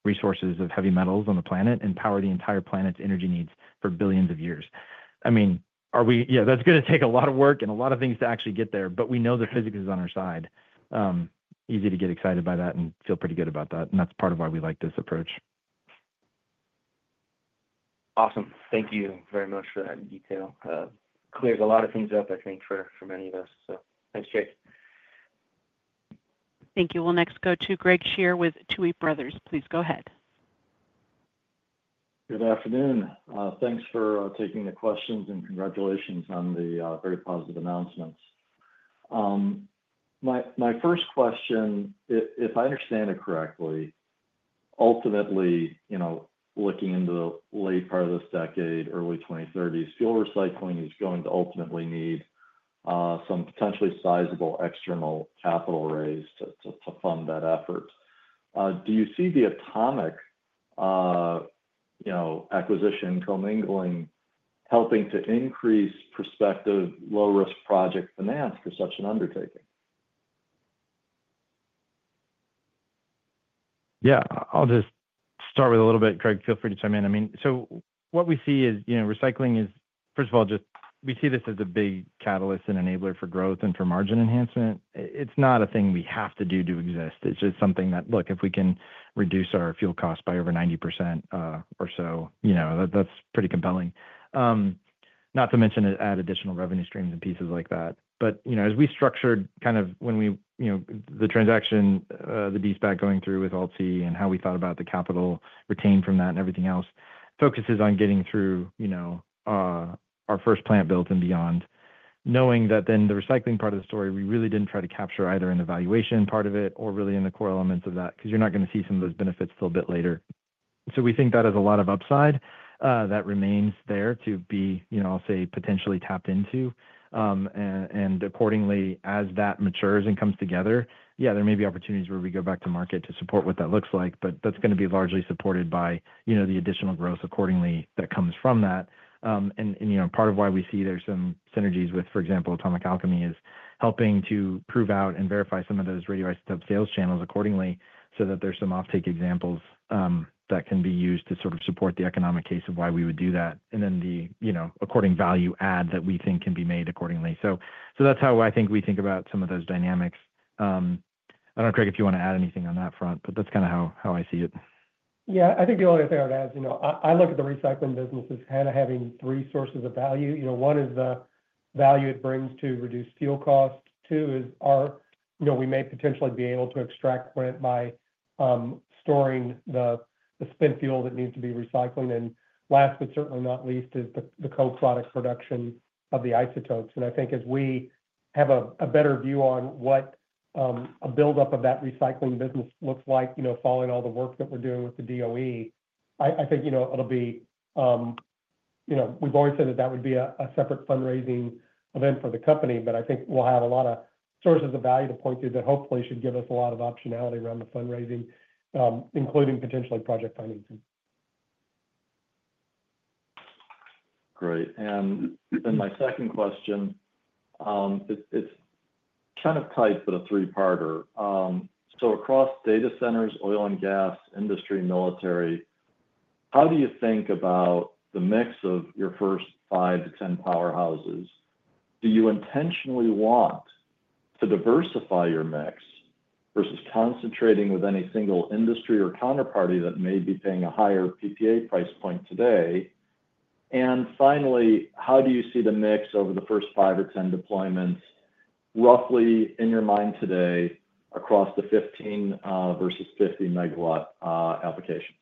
resources of heavy metals on the planet and power the entire planet's energy needs for billions of years. I mean, yeah, that's going to take a lot of work and a lot of things to actually get there, but we know the physics is on our side. Easy to get excited by that and feel pretty good about that. And that's part of why we like this approach. Awesome. Thank you very much for that detail. Clears a lot of things up, I think, for many of us. So thanks, Jake. Thank you. We'll next go to Craig Shere with Tuohy Brothers. Please go ahead. Good afternoon. Thanks for taking the questions and congratulations on the very positive announcements. My first question, if I understand it correctly, ultimately, looking into the late part of this decade, early 2030s, fuel recycling is going to ultimately need some potentially sizable external capital raise to fund that effort. Do you see the AltC acquisition combining helping to increase prospective low-risk project finance for such an undertaking? Yeah. I'll just start with a little bit. Craig, feel free to chime in. I mean, so what we see is recycling is, first of all, just we see this as a big catalyst and enabler for growth and for margin enhancement. It's not a thing we have to do to exist. It's just something that, look, if we can reduce our fuel costs by over 90% or so, that's pretty compelling. Not to mention add additional revenue streams and pieces like that. But as we structured kind of when the transaction, the SPAC going through with AltC and how we thought about the capital retained from that and everything else focuses on getting through our first plant built and beyond, knowing that then the recycling part of the story, we really didn't try to capture either in the valuation part of it or really in the core elements of that because you're not going to see some of those benefits till a bit later. So we think that has a lot of upside that remains there to be, I'll say, potentially tapped into. Accordingly, as that matures and comes together, yeah, there may be opportunities where we go back to market to support what that looks like, but that's going to be largely supported by the additional growth accordingly that comes from that. Part of why we see there's some synergies with, for example, Atomic Alchemy is helping to prove out and verify some of those radioisotope sales channels accordingly so that there's some offtake examples that can be used to sort of support the economic case of why we would do that and then the according value add that we think can be made accordingly. That's how I think we think about some of those dynamics. I don't know, Craig, if you want to add anything on that front, but that's kind of how I see it. Yeah. I think the only thing I would add is I look at the recycling business as kind of having three sources of value. One is the value it brings to reduce fuel costs. Two is we may potentially be able to extract rent by storing the spent fuel that needs to be recycled. And last, but certainly not least, is the co-product production of the isotopes. And I think as we have a better view on what a build-up of that recycling business looks like following all the work that we're doing with the DOE, I think it'll be. We've always said that that would be a separate fundraising event for the company, but I think we'll have a lot of sources of value to point to that hopefully should give us a lot of optionality around the fundraising, including potentially project financing. Great. Great. Then my second question. It's kind of tight, but a three-parter. Across data centers, oil and gas, industry, military, how do you think about the mix of your first 5-10 powerhouses? Do you intentionally want to diversify your mix versus concentrating with any single industry or counterparty that may be paying a higher PPA price point today? Finally, how do you see the mix over the first 5-10 deployments, roughly in your mind today, across the 15 versus 50 MW applications?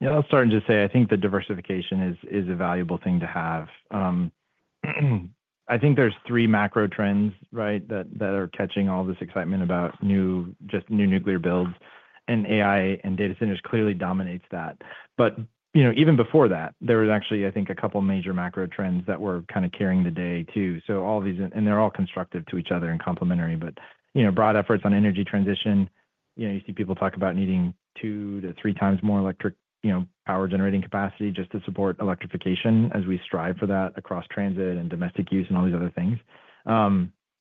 Yeah. I was starting to say I think the diversification is a valuable thing to have. I think there's three macro trends, right, that are catching all this excitement about just new nuclear builds. AI and data centers clearly dominates that. But even before that, there were actually, I think, a couple of major macro trends that were kind of carrying the day too. And they're all constructive to each other and complementary. But broad efforts on energy transition, you see people talk about needing two to three times more electric power generating capacity just to support electrification as we strive for that across transit and domestic use and all these other things.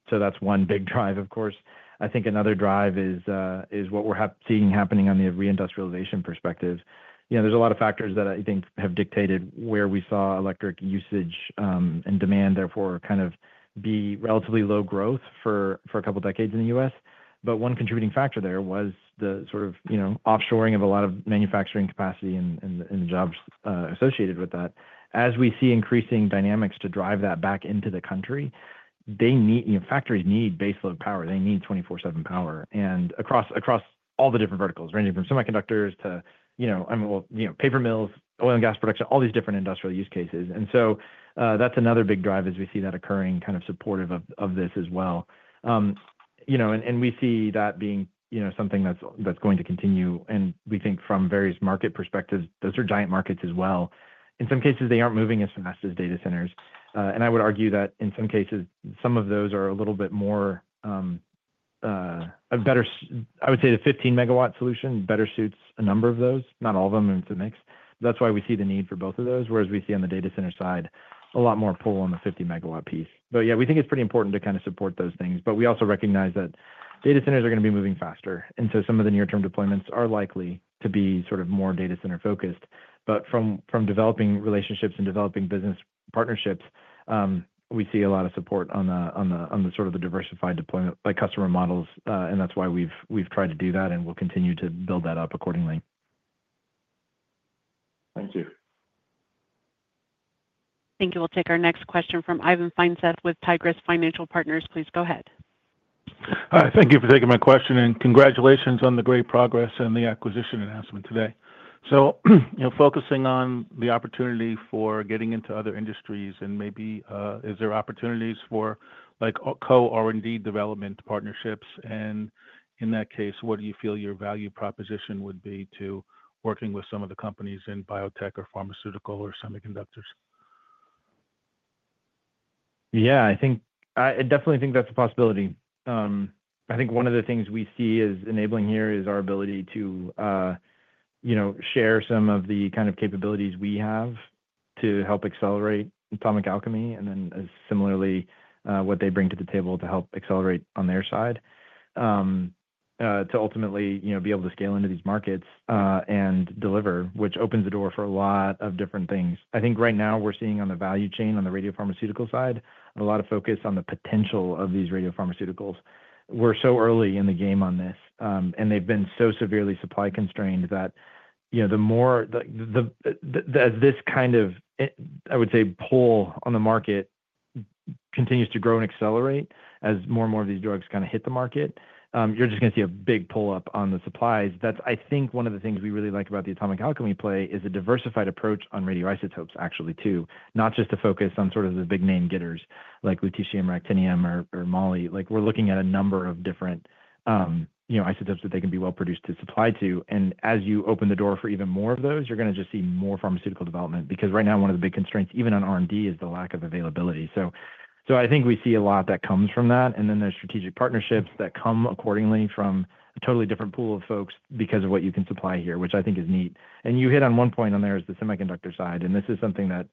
So that's one big drive, of course. I think another drive is what we're seeing happening on the reindustrialization perspective. There's a lot of factors that I think have dictated where we saw electric usage and demand, therefore, kind of be relatively low growth for a couple of decades in the U.S. But one contributing factor there was the sort of offshoring of a lot of manufacturing capacity and the jobs associated with that. As we see increasing dynamics to drive that back into the country, factories need baseload power. They need 24/7 power, and across all the different verticals, ranging from semiconductors to, I mean, well, paper mills, oil and gas production, all these different industrial use cases, and so that's another big drive as we see that occurring kind of supportive of this as well, and we see that being something that's going to continue, and we think from various market perspectives, those are giant markets as well. In some cases, they aren't moving as fast as data centers, and I would argue that in some cases, some of those are a little bit more better. I would say the 15 MW solution better suits a number of those, not all of them in its mix. That's why we see the need for both of those, whereas we see on the data center side a lot more pull on the 50 MW piece. But yeah, we think it's pretty important to kind of support those things. But we also recognize that data centers are going to be moving faster. And so some of the near-term deployments are likely to be sort of more data center-focused. But from developing relationships and developing business partnerships, we see a lot of support on the sort of diversified deployment by customer models. And that's why we've tried to do that and will continue to build that up accordingly. Thank you. Thank you. We'll take our next question from Ivan Feinseth with Tigress Financial Partners. Please go ahead. Hi. Thank you for taking my question. And congratulations on the great progress and the acquisition announcement today. Focusing on the opportunity for getting into other industries and maybe is there opportunities for co-R&D development partnerships? And in that case, what do you feel your value proposition would be to working with some of the companies in biotech or pharmaceutical or semiconductors? Yeah. I definitely think that's a possibility. I think one of the things we see as enabling here is our ability to share some of the kind of capabilities we have to help accelerate Atomic Alchemy and then similarly what they bring to the table to help accelerate on their side to ultimately be able to scale into these markets and deliver, which opens the door for a lot of different things. I think right now we're seeing on the value chain on the radiopharmaceutical side, a lot of focus on the potential of these radiopharmaceuticals. We're so early in the game on this. They've been so severely supply constrained that the more this kind of, I would say, pull on the market continues to grow and accelerate as more and more of these drugs kind of hit the market, you're just going to see a big pull-up on the supplies. That's, I think, one of the things we really like about the Atomic Alchemy play is a diversified approach on radioisotopes, actually, too, not just to focus on sort of the big name getters like lutetium, actinium, or moly. We're looking at a number of different isotopes that they can be well produced to supply to. As you open the door for even more of those, you're going to just see more pharmaceutical development because right now, one of the big constraints, even on R&D, is the lack of availability. So I think we see a lot that comes from that. And then there's strategic partnerships that come accordingly from a totally different pool of folks because of what you can supply here, which I think is neat. And you hit on one point, and there is the semiconductor side. And this is something that's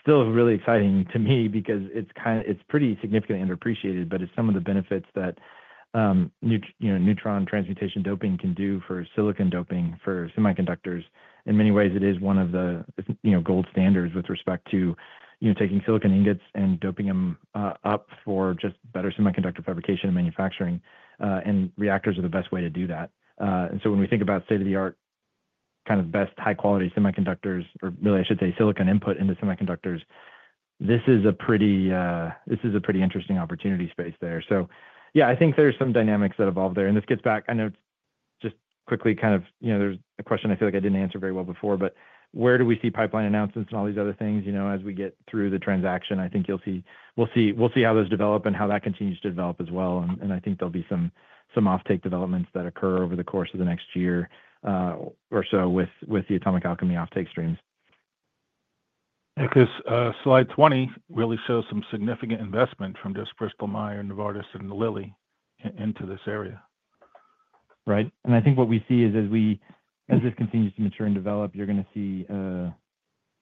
still really exciting to me because it's pretty significantly underappreciated, but it's some of the benefits that neutron transmutation doping can do for silicon doping for semiconductors. In many ways, it is one of the gold standards with respect to taking silicon ingots and doping them up for just better semiconductor fabrication and manufacturing. And reactors are the best way to do that. And so when we think about state-of-the-art kind of best high-quality semiconductors, or really, I should say silicon input into semiconductors, this is a pretty interesting opportunity space there. So yeah, I think there's some dynamics that evolve there. And this gets back, I know just quickly kind of there's a question I feel like I didn't answer very well before, but where do we see pipeline announcements and all these other things as we get through the transaction? I think we'll see how those develop and how that continues to develop as well. And I think there'll be some offtake developments that occur over the course of the next year or so with the Atomic Alchemy offtake streams. Because slide 20 really shows some significant investment from just Bristol Myers Squibb, Novartis, and Lilly into this area. Right. I think what we see is as this continues to mature and develop, you're going to see,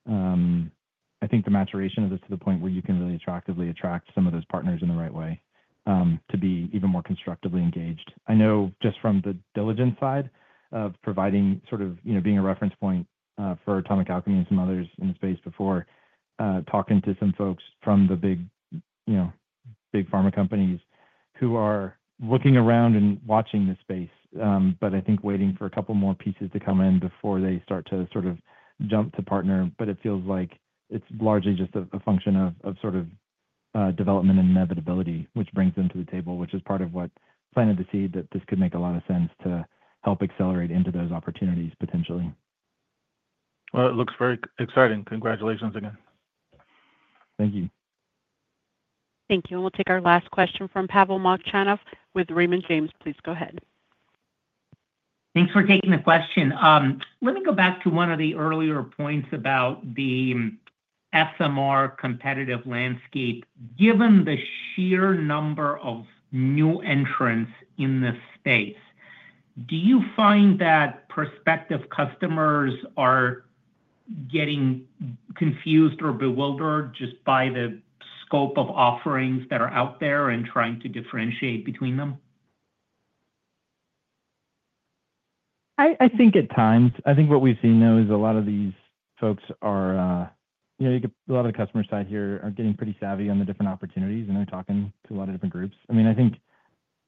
I think, the maturation of this to the point where you can really attractively attract some of those partners in the right way to be even more constructively engaged. I know just from the diligence side of providing sort of being a reference point for Atomic Alchemy and some others in the space before, talking to some folks from the big pharma companies who are looking around and watching the space, but I think waiting for a couple more pieces to come in before they start to sort of jump to partner. But it feels like it's largely just a function of sort of development and inevitability, which brings them to the table, which is part of what planted the seed that this could make a lot of sense to help accelerate into those opportunities potentially. Well, it looks very exciting. Congratulations again. Thank you. Thank you. And we'll take our last question from Pavel Molchanov with Raymond James. Please go ahead. Thanks for taking the question. Let me go back to one of the earlier points about the SMR competitive landscape. Given the sheer number of new entrants in this space, do you find that prospective customers are getting confused or bewildered just by the scope of offerings that are out there and trying to differentiate between them? I think at times, I think what we've seen though is a lot of these folks are a lot of the customers out here are getting pretty savvy on the different opportunities, and they're talking to a lot of different groups. I mean, I think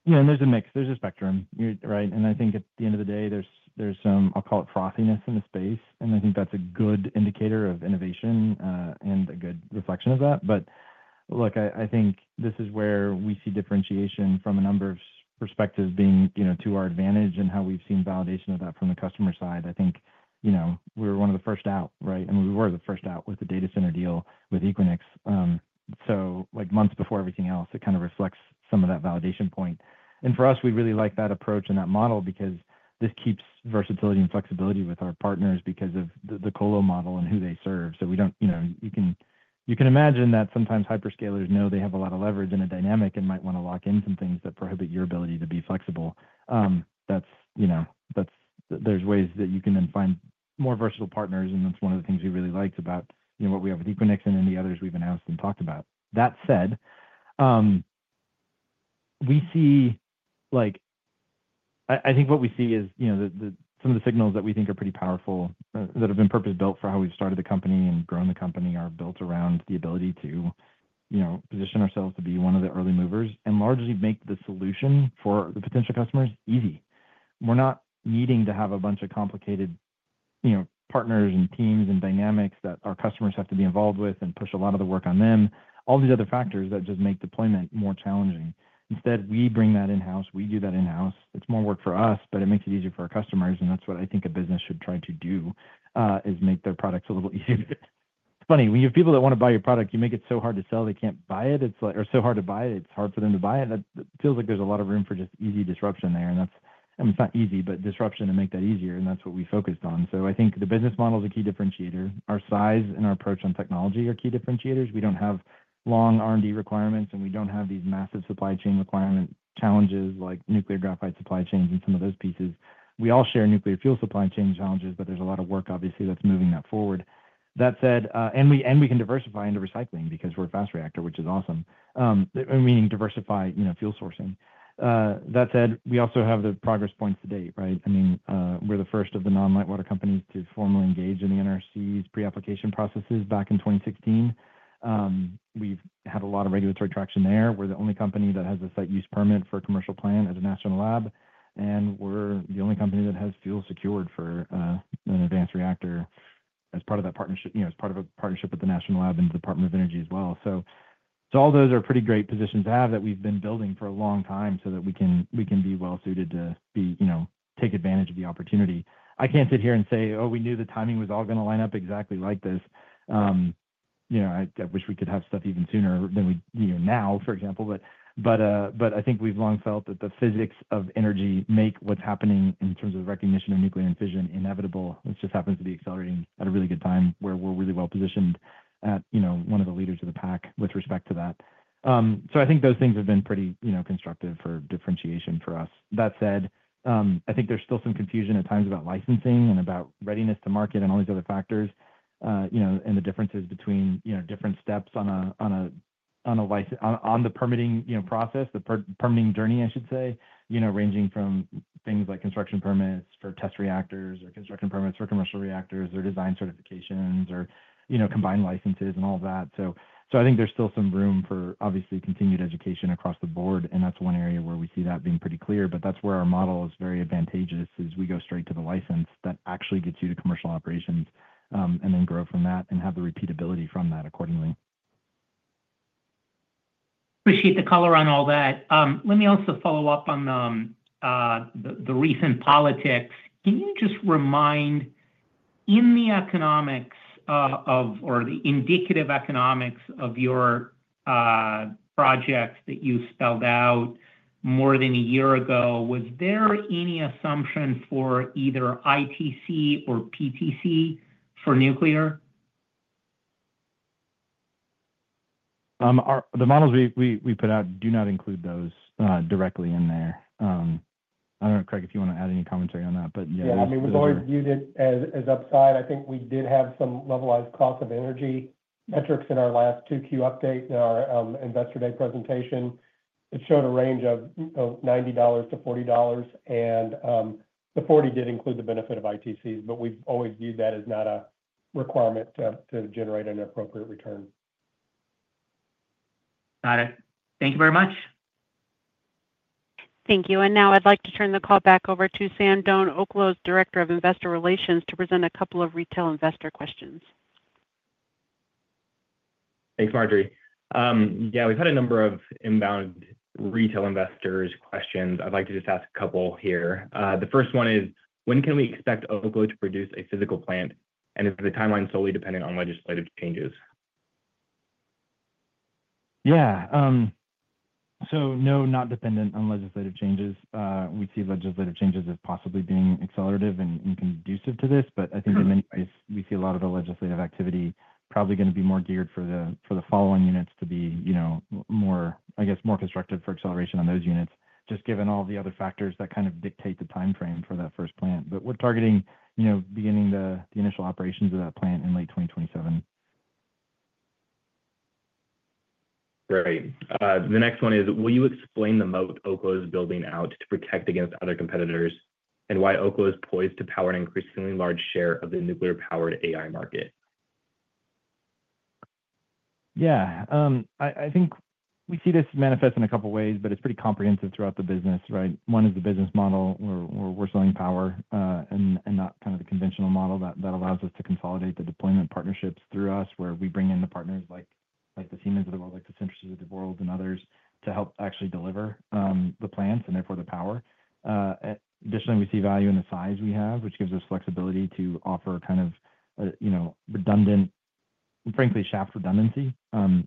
there's a mix. There's a spectrum, right? And I think at the end of the day, there's some, I'll call it frothiness in the space. And I think that's a good indicator of innovation and a good reflection of that. But look, I think this is where we see differentiation from a number of perspectives being to our advantage and how we've seen validation of that from the customer side. I think we were one of the first out, right? And we were the first out with the data center deal with Equinix. So months before everything else, it kind of reflects some of that validation point. And for us, we really like that approach and that model because this keeps versatility and flexibility with our partners because of the colo model and who they serve. So you can imagine that sometimes hyperscalers know they have a lot of leverage in a dynamic and might want to lock in some things that prohibit your ability to be flexible. There's ways that you can then find more versatile partners. And that's one of the things we really liked about what we have with Equinix and then the others we've announced and talked about. That said, I think what we see is some of the signals that we think are pretty powerful that have been purpose-built for how we've started the company and grown the company are built around the ability to position ourselves to be one of the early movers and largely make the solution for the potential customers easy. We're not needing to have a bunch of complicated partners and teams and dynamics that our customers have to be involved with and push a lot of the work on them, all these other factors that just make deployment more challenging. Instead, we bring that in-house. We do that in-house. It's more work for us, but it makes it easier for our customers. And that's what I think a business should try to do is make their products a little easier. It's funny. When you have people that want to buy your product, you make it so hard to sell they can't buy it or so hard to buy it, it's hard for them to buy it. It feels like there's a lot of room for just easy disruption there. And I mean, it's not easy, but disruption to make that easier. And that's what we focused on. So I think the business model is a key differentiator. Our size and our approach on technology are key differentiators. We don't have long R&D requirements, and we don't have these massive supply chain requirement challenges like nuclear graphite supply chains and some of those pieces. We all share nuclear fuel supply chain challenges, but there's a lot of work, obviously, that's moving that forward. That said, and we can diversify into recycling because we're a fast reactor, which is awesome, meaning diversify fuel sourcing. That said, we also have the progress points to date, right? I mean, we're the first of the non-lightwater companies to formally engage in the NRC's pre-application processes back in 2016. We've had a lot of regulatory traction there. We're the only company that has a site use permit for a commercial plant at a national lab. And we're the only company that has fuel secured for an advanced reactor as part of that partnership, as part of a partnership with the National Lab and the Department of Energy as well. So all those are pretty great positions to have that we've been building for a long time so that we can be well-suited to take advantage of the opportunity. I can't sit here and say, "Oh, we knew the timing was all going to line up exactly like this." I wish we could have stuff even sooner than we do now, for example. But I think we've long felt that the physics of energy makes what's happening in terms of recognition of nuclear and fission inevitable. This just happens to be accelerating at a really good time where we're really well positioned at one of the leaders of the pack with respect to that. So I think those things have been pretty constructive for differentiation for us. That said, I think there's still some confusion at times about licensing and about readiness to market and all these other factors and the differences between different steps on the permitting process, the permitting journey, I should say, ranging from things like construction permits for test reactors or construction permits for commercial reactors or design certifications or combined licenses and all of that. So I think there's still some room for, obviously, continued education across the board. And that's one area where we see that being pretty clear. But that's where our model is very advantageous as we go straight to the license that actually gets you to commercial operations and then grow from that and have the repeatability from that accordingly. Appreciate the color on all that. Let me also follow up on the recent politics. Can you just remind in the economics or the indicative economics of your project that you spelled out more than a year ago, was there any assumption for either ITC or PTC for nuclear? The models we put out do not include those directly in there. I don't know, Craig, if you want to add any commentary on that, but yeah. Yeah. I mean, we've always viewed it as upside. I think we did have some levelized cost of energy metrics in our last 2Q update in our investor day presentation. It showed a range of $90-$40. And the $40 did include the benefit of ITCs, but we've always viewed that as not a requirement to generate an appropriate return. Got it. Thank you very much. Thank you. And now I'd like to turn the call back over to Sam Doane, Oklo's Director of Investor Relations, to present a couple of retail investor questions. Thanks, Marjorie. Yeah. We've had a number of inbound retail investors' questions. I'd like to just ask a couple here. The first one is, when can we expect Oklo to produce a physical plant? And is the timeline solely dependent on legislative changes? Yeah. So no, not dependent on legislative changes. We see legislative changes as possibly being accelerative and conducive to this. But I think in many ways, we see a lot of the legislative activity probably going to be more geared for the following units to be, I guess, more constructive for acceleration on those units, just given all the other factors that kind of dictate the timeframe for that first plant. But we're targeting beginning the initial operations of that plant in late 2027. Great. The next one is, will you explain the moat Oklo is building out to protect against other competitors and why Oklo is poised to power an increasingly large share of the nuclear-powered AI market? Yeah. I think we see this manifest in a couple of ways, but it's pretty comprehensive throughout the business, right? One is the business model. We're selling power and not kind of the conventional model that allows us to consolidate the deployment partnerships through us where we bring in the partners like the Siemens of the world, like the Centrus of the world, and others to help actually deliver the plants and therefore the power. Additionally, we see value in the size we have, which gives us flexibility to offer kind of redundant, frankly, shaft redundancy,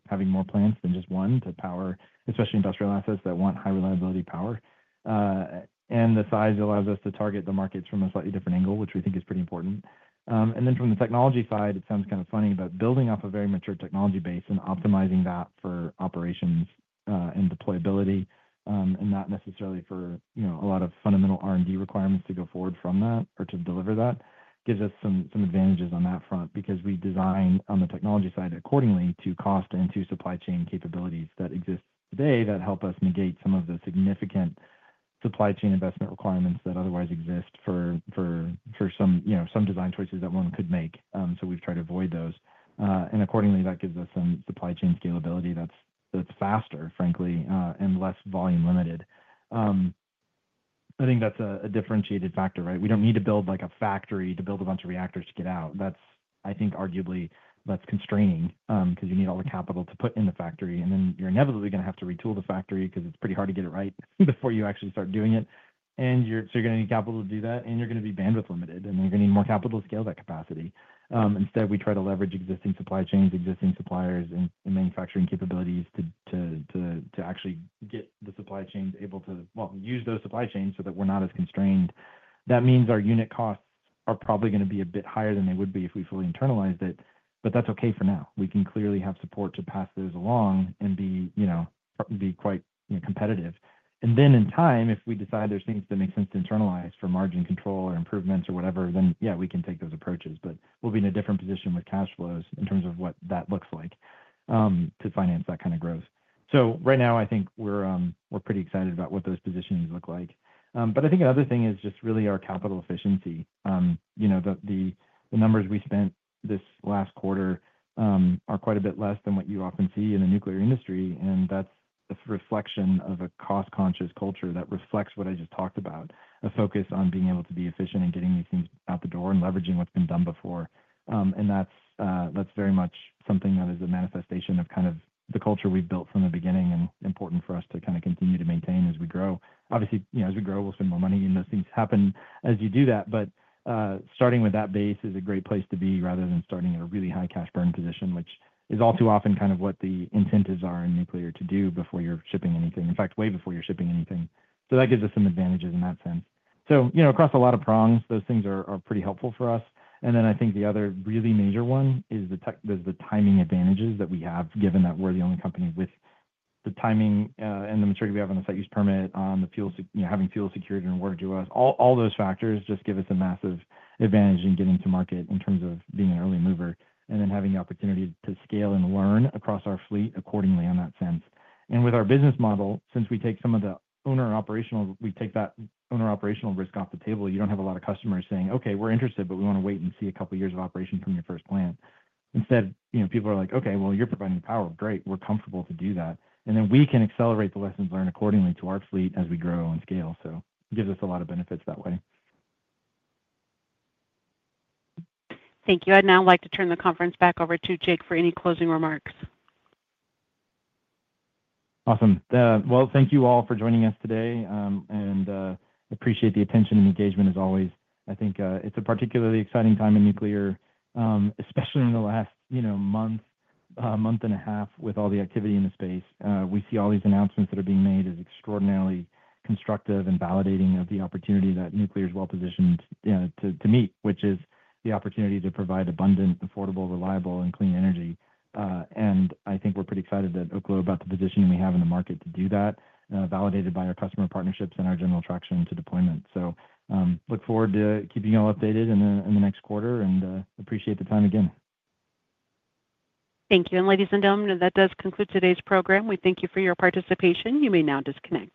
having more plants than just one to power, especially industrial assets that want high reliability power. And the size allows us to target the markets from a slightly different angle, which we think is pretty important. And then from the technology side, it sounds kind of funny, but building off a very mature technology base and optimizing that for operations and deployability and not necessarily for a lot of fundamental R&D requirements to go forward from that or to deliver that gives us some advantages on that front because we design on the technology side accordingly to cost and to supply chain capabilities that exist today that help us negate some of the significant supply chain investment requirements that otherwise exist for some design choices that one could make. So we've tried to avoid those. And accordingly, that gives us some supply chain scalability that's faster, frankly, and less volume-limited. I think that's a differentiated factor, right? We don't need to build a factory to build a bunch of reactors to get out. I think arguably that's constraining because you need all the capital to put in the factory. And then you're inevitably going to have to retool the factory because it's pretty hard to get it right before you actually start doing it. And so you're going to need capital to do that, and you're going to be bandwidth limited, and you're going to need more capital to scale that capacity. Instead, we try to leverage existing supply chains, existing suppliers, and manufacturing capabilities to actually get the supply chains able to, well, use those supply chains so that we're not as constrained. That means our unit costs are probably going to be a bit higher than they would be if we fully internalized it. But that's okay for now. We can clearly have support to pass those along and be quite competitive. And then in time, if we decide there's things that make sense to internalize for margin control or improvements or whatever, then yeah, we can take those approaches. But we'll be in a different position with cash flows in terms of what that looks like to finance that kind of growth. So right now, I think we're pretty excited about what those positions look like. But I think another thing is just really our capital efficiency. The numbers we spent this last quarter are quite a bit less than what you often see in the nuclear industry. And that's a reflection of a cost-conscious culture that reflects what I just talked about, a focus on being able to be efficient and getting these things out the door and leveraging what's been done before. And that's very much something that is a manifestation of kind of the culture we've built from the beginning and important for us to kind of continue to maintain as we grow. Obviously, as we grow, we'll spend more money, and those things happen as you do that. But starting with that base is a great place to be rather than starting at a really high cash burn position, which is all too often kind of what the incentives are in nuclear to do before you're shipping anything, in fact, way before you're shipping anything. So that gives us some advantages in that sense. So across a lot of prongs, those things are pretty helpful for us. And then I think the other really major one is the timing advantages that we have, given that we're the only company with the timing and the maturity we have on the site use permit, on having fuel secured and water to us. All those factors just give us a massive advantage in getting to market in terms of being an early mover and then having the opportunity to scale and learn across our fleet accordingly in that sense. And with our business model, since we take some of the owner operational, we take that owner operational risk off the table. You don't have a lot of customers saying, "Okay, we're interested, but we want to wait and see a couple of years of operation from your first plant." Instead, people are like, "Okay, well, you're providing the power. Great. We're comfortable to do that." And then we can accelerate the lessons learned accordingly to our fleet as we grow and scale. So it gives us a lot of benefits that way. Thank you. I'd now like to turn the conference back over to Jake for any closing remarks. Awesome. Well, thank you all for joining us today. And I appreciate the attention and engagement, as always. I think it's a particularly exciting time in nuclear, especially in the last month, month and a half with all the activity in the space. We see all these announcements that are being made as extraordinarily constructive and validating of the opportunity that nuclear is well positioned to meet, which is the opportunity to provide abundant, affordable, reliable, and clean energy. And I think we're pretty excited that Oklo about the position we have in the market to do that, validated by our customer partnerships and our general traction to deployment. So look forward to keeping you all updated in the next quarter and appreciate the time again. Thank you. And ladies and gentlemen, that does conclude today's program. We thank you for your participation. You may now disconnect.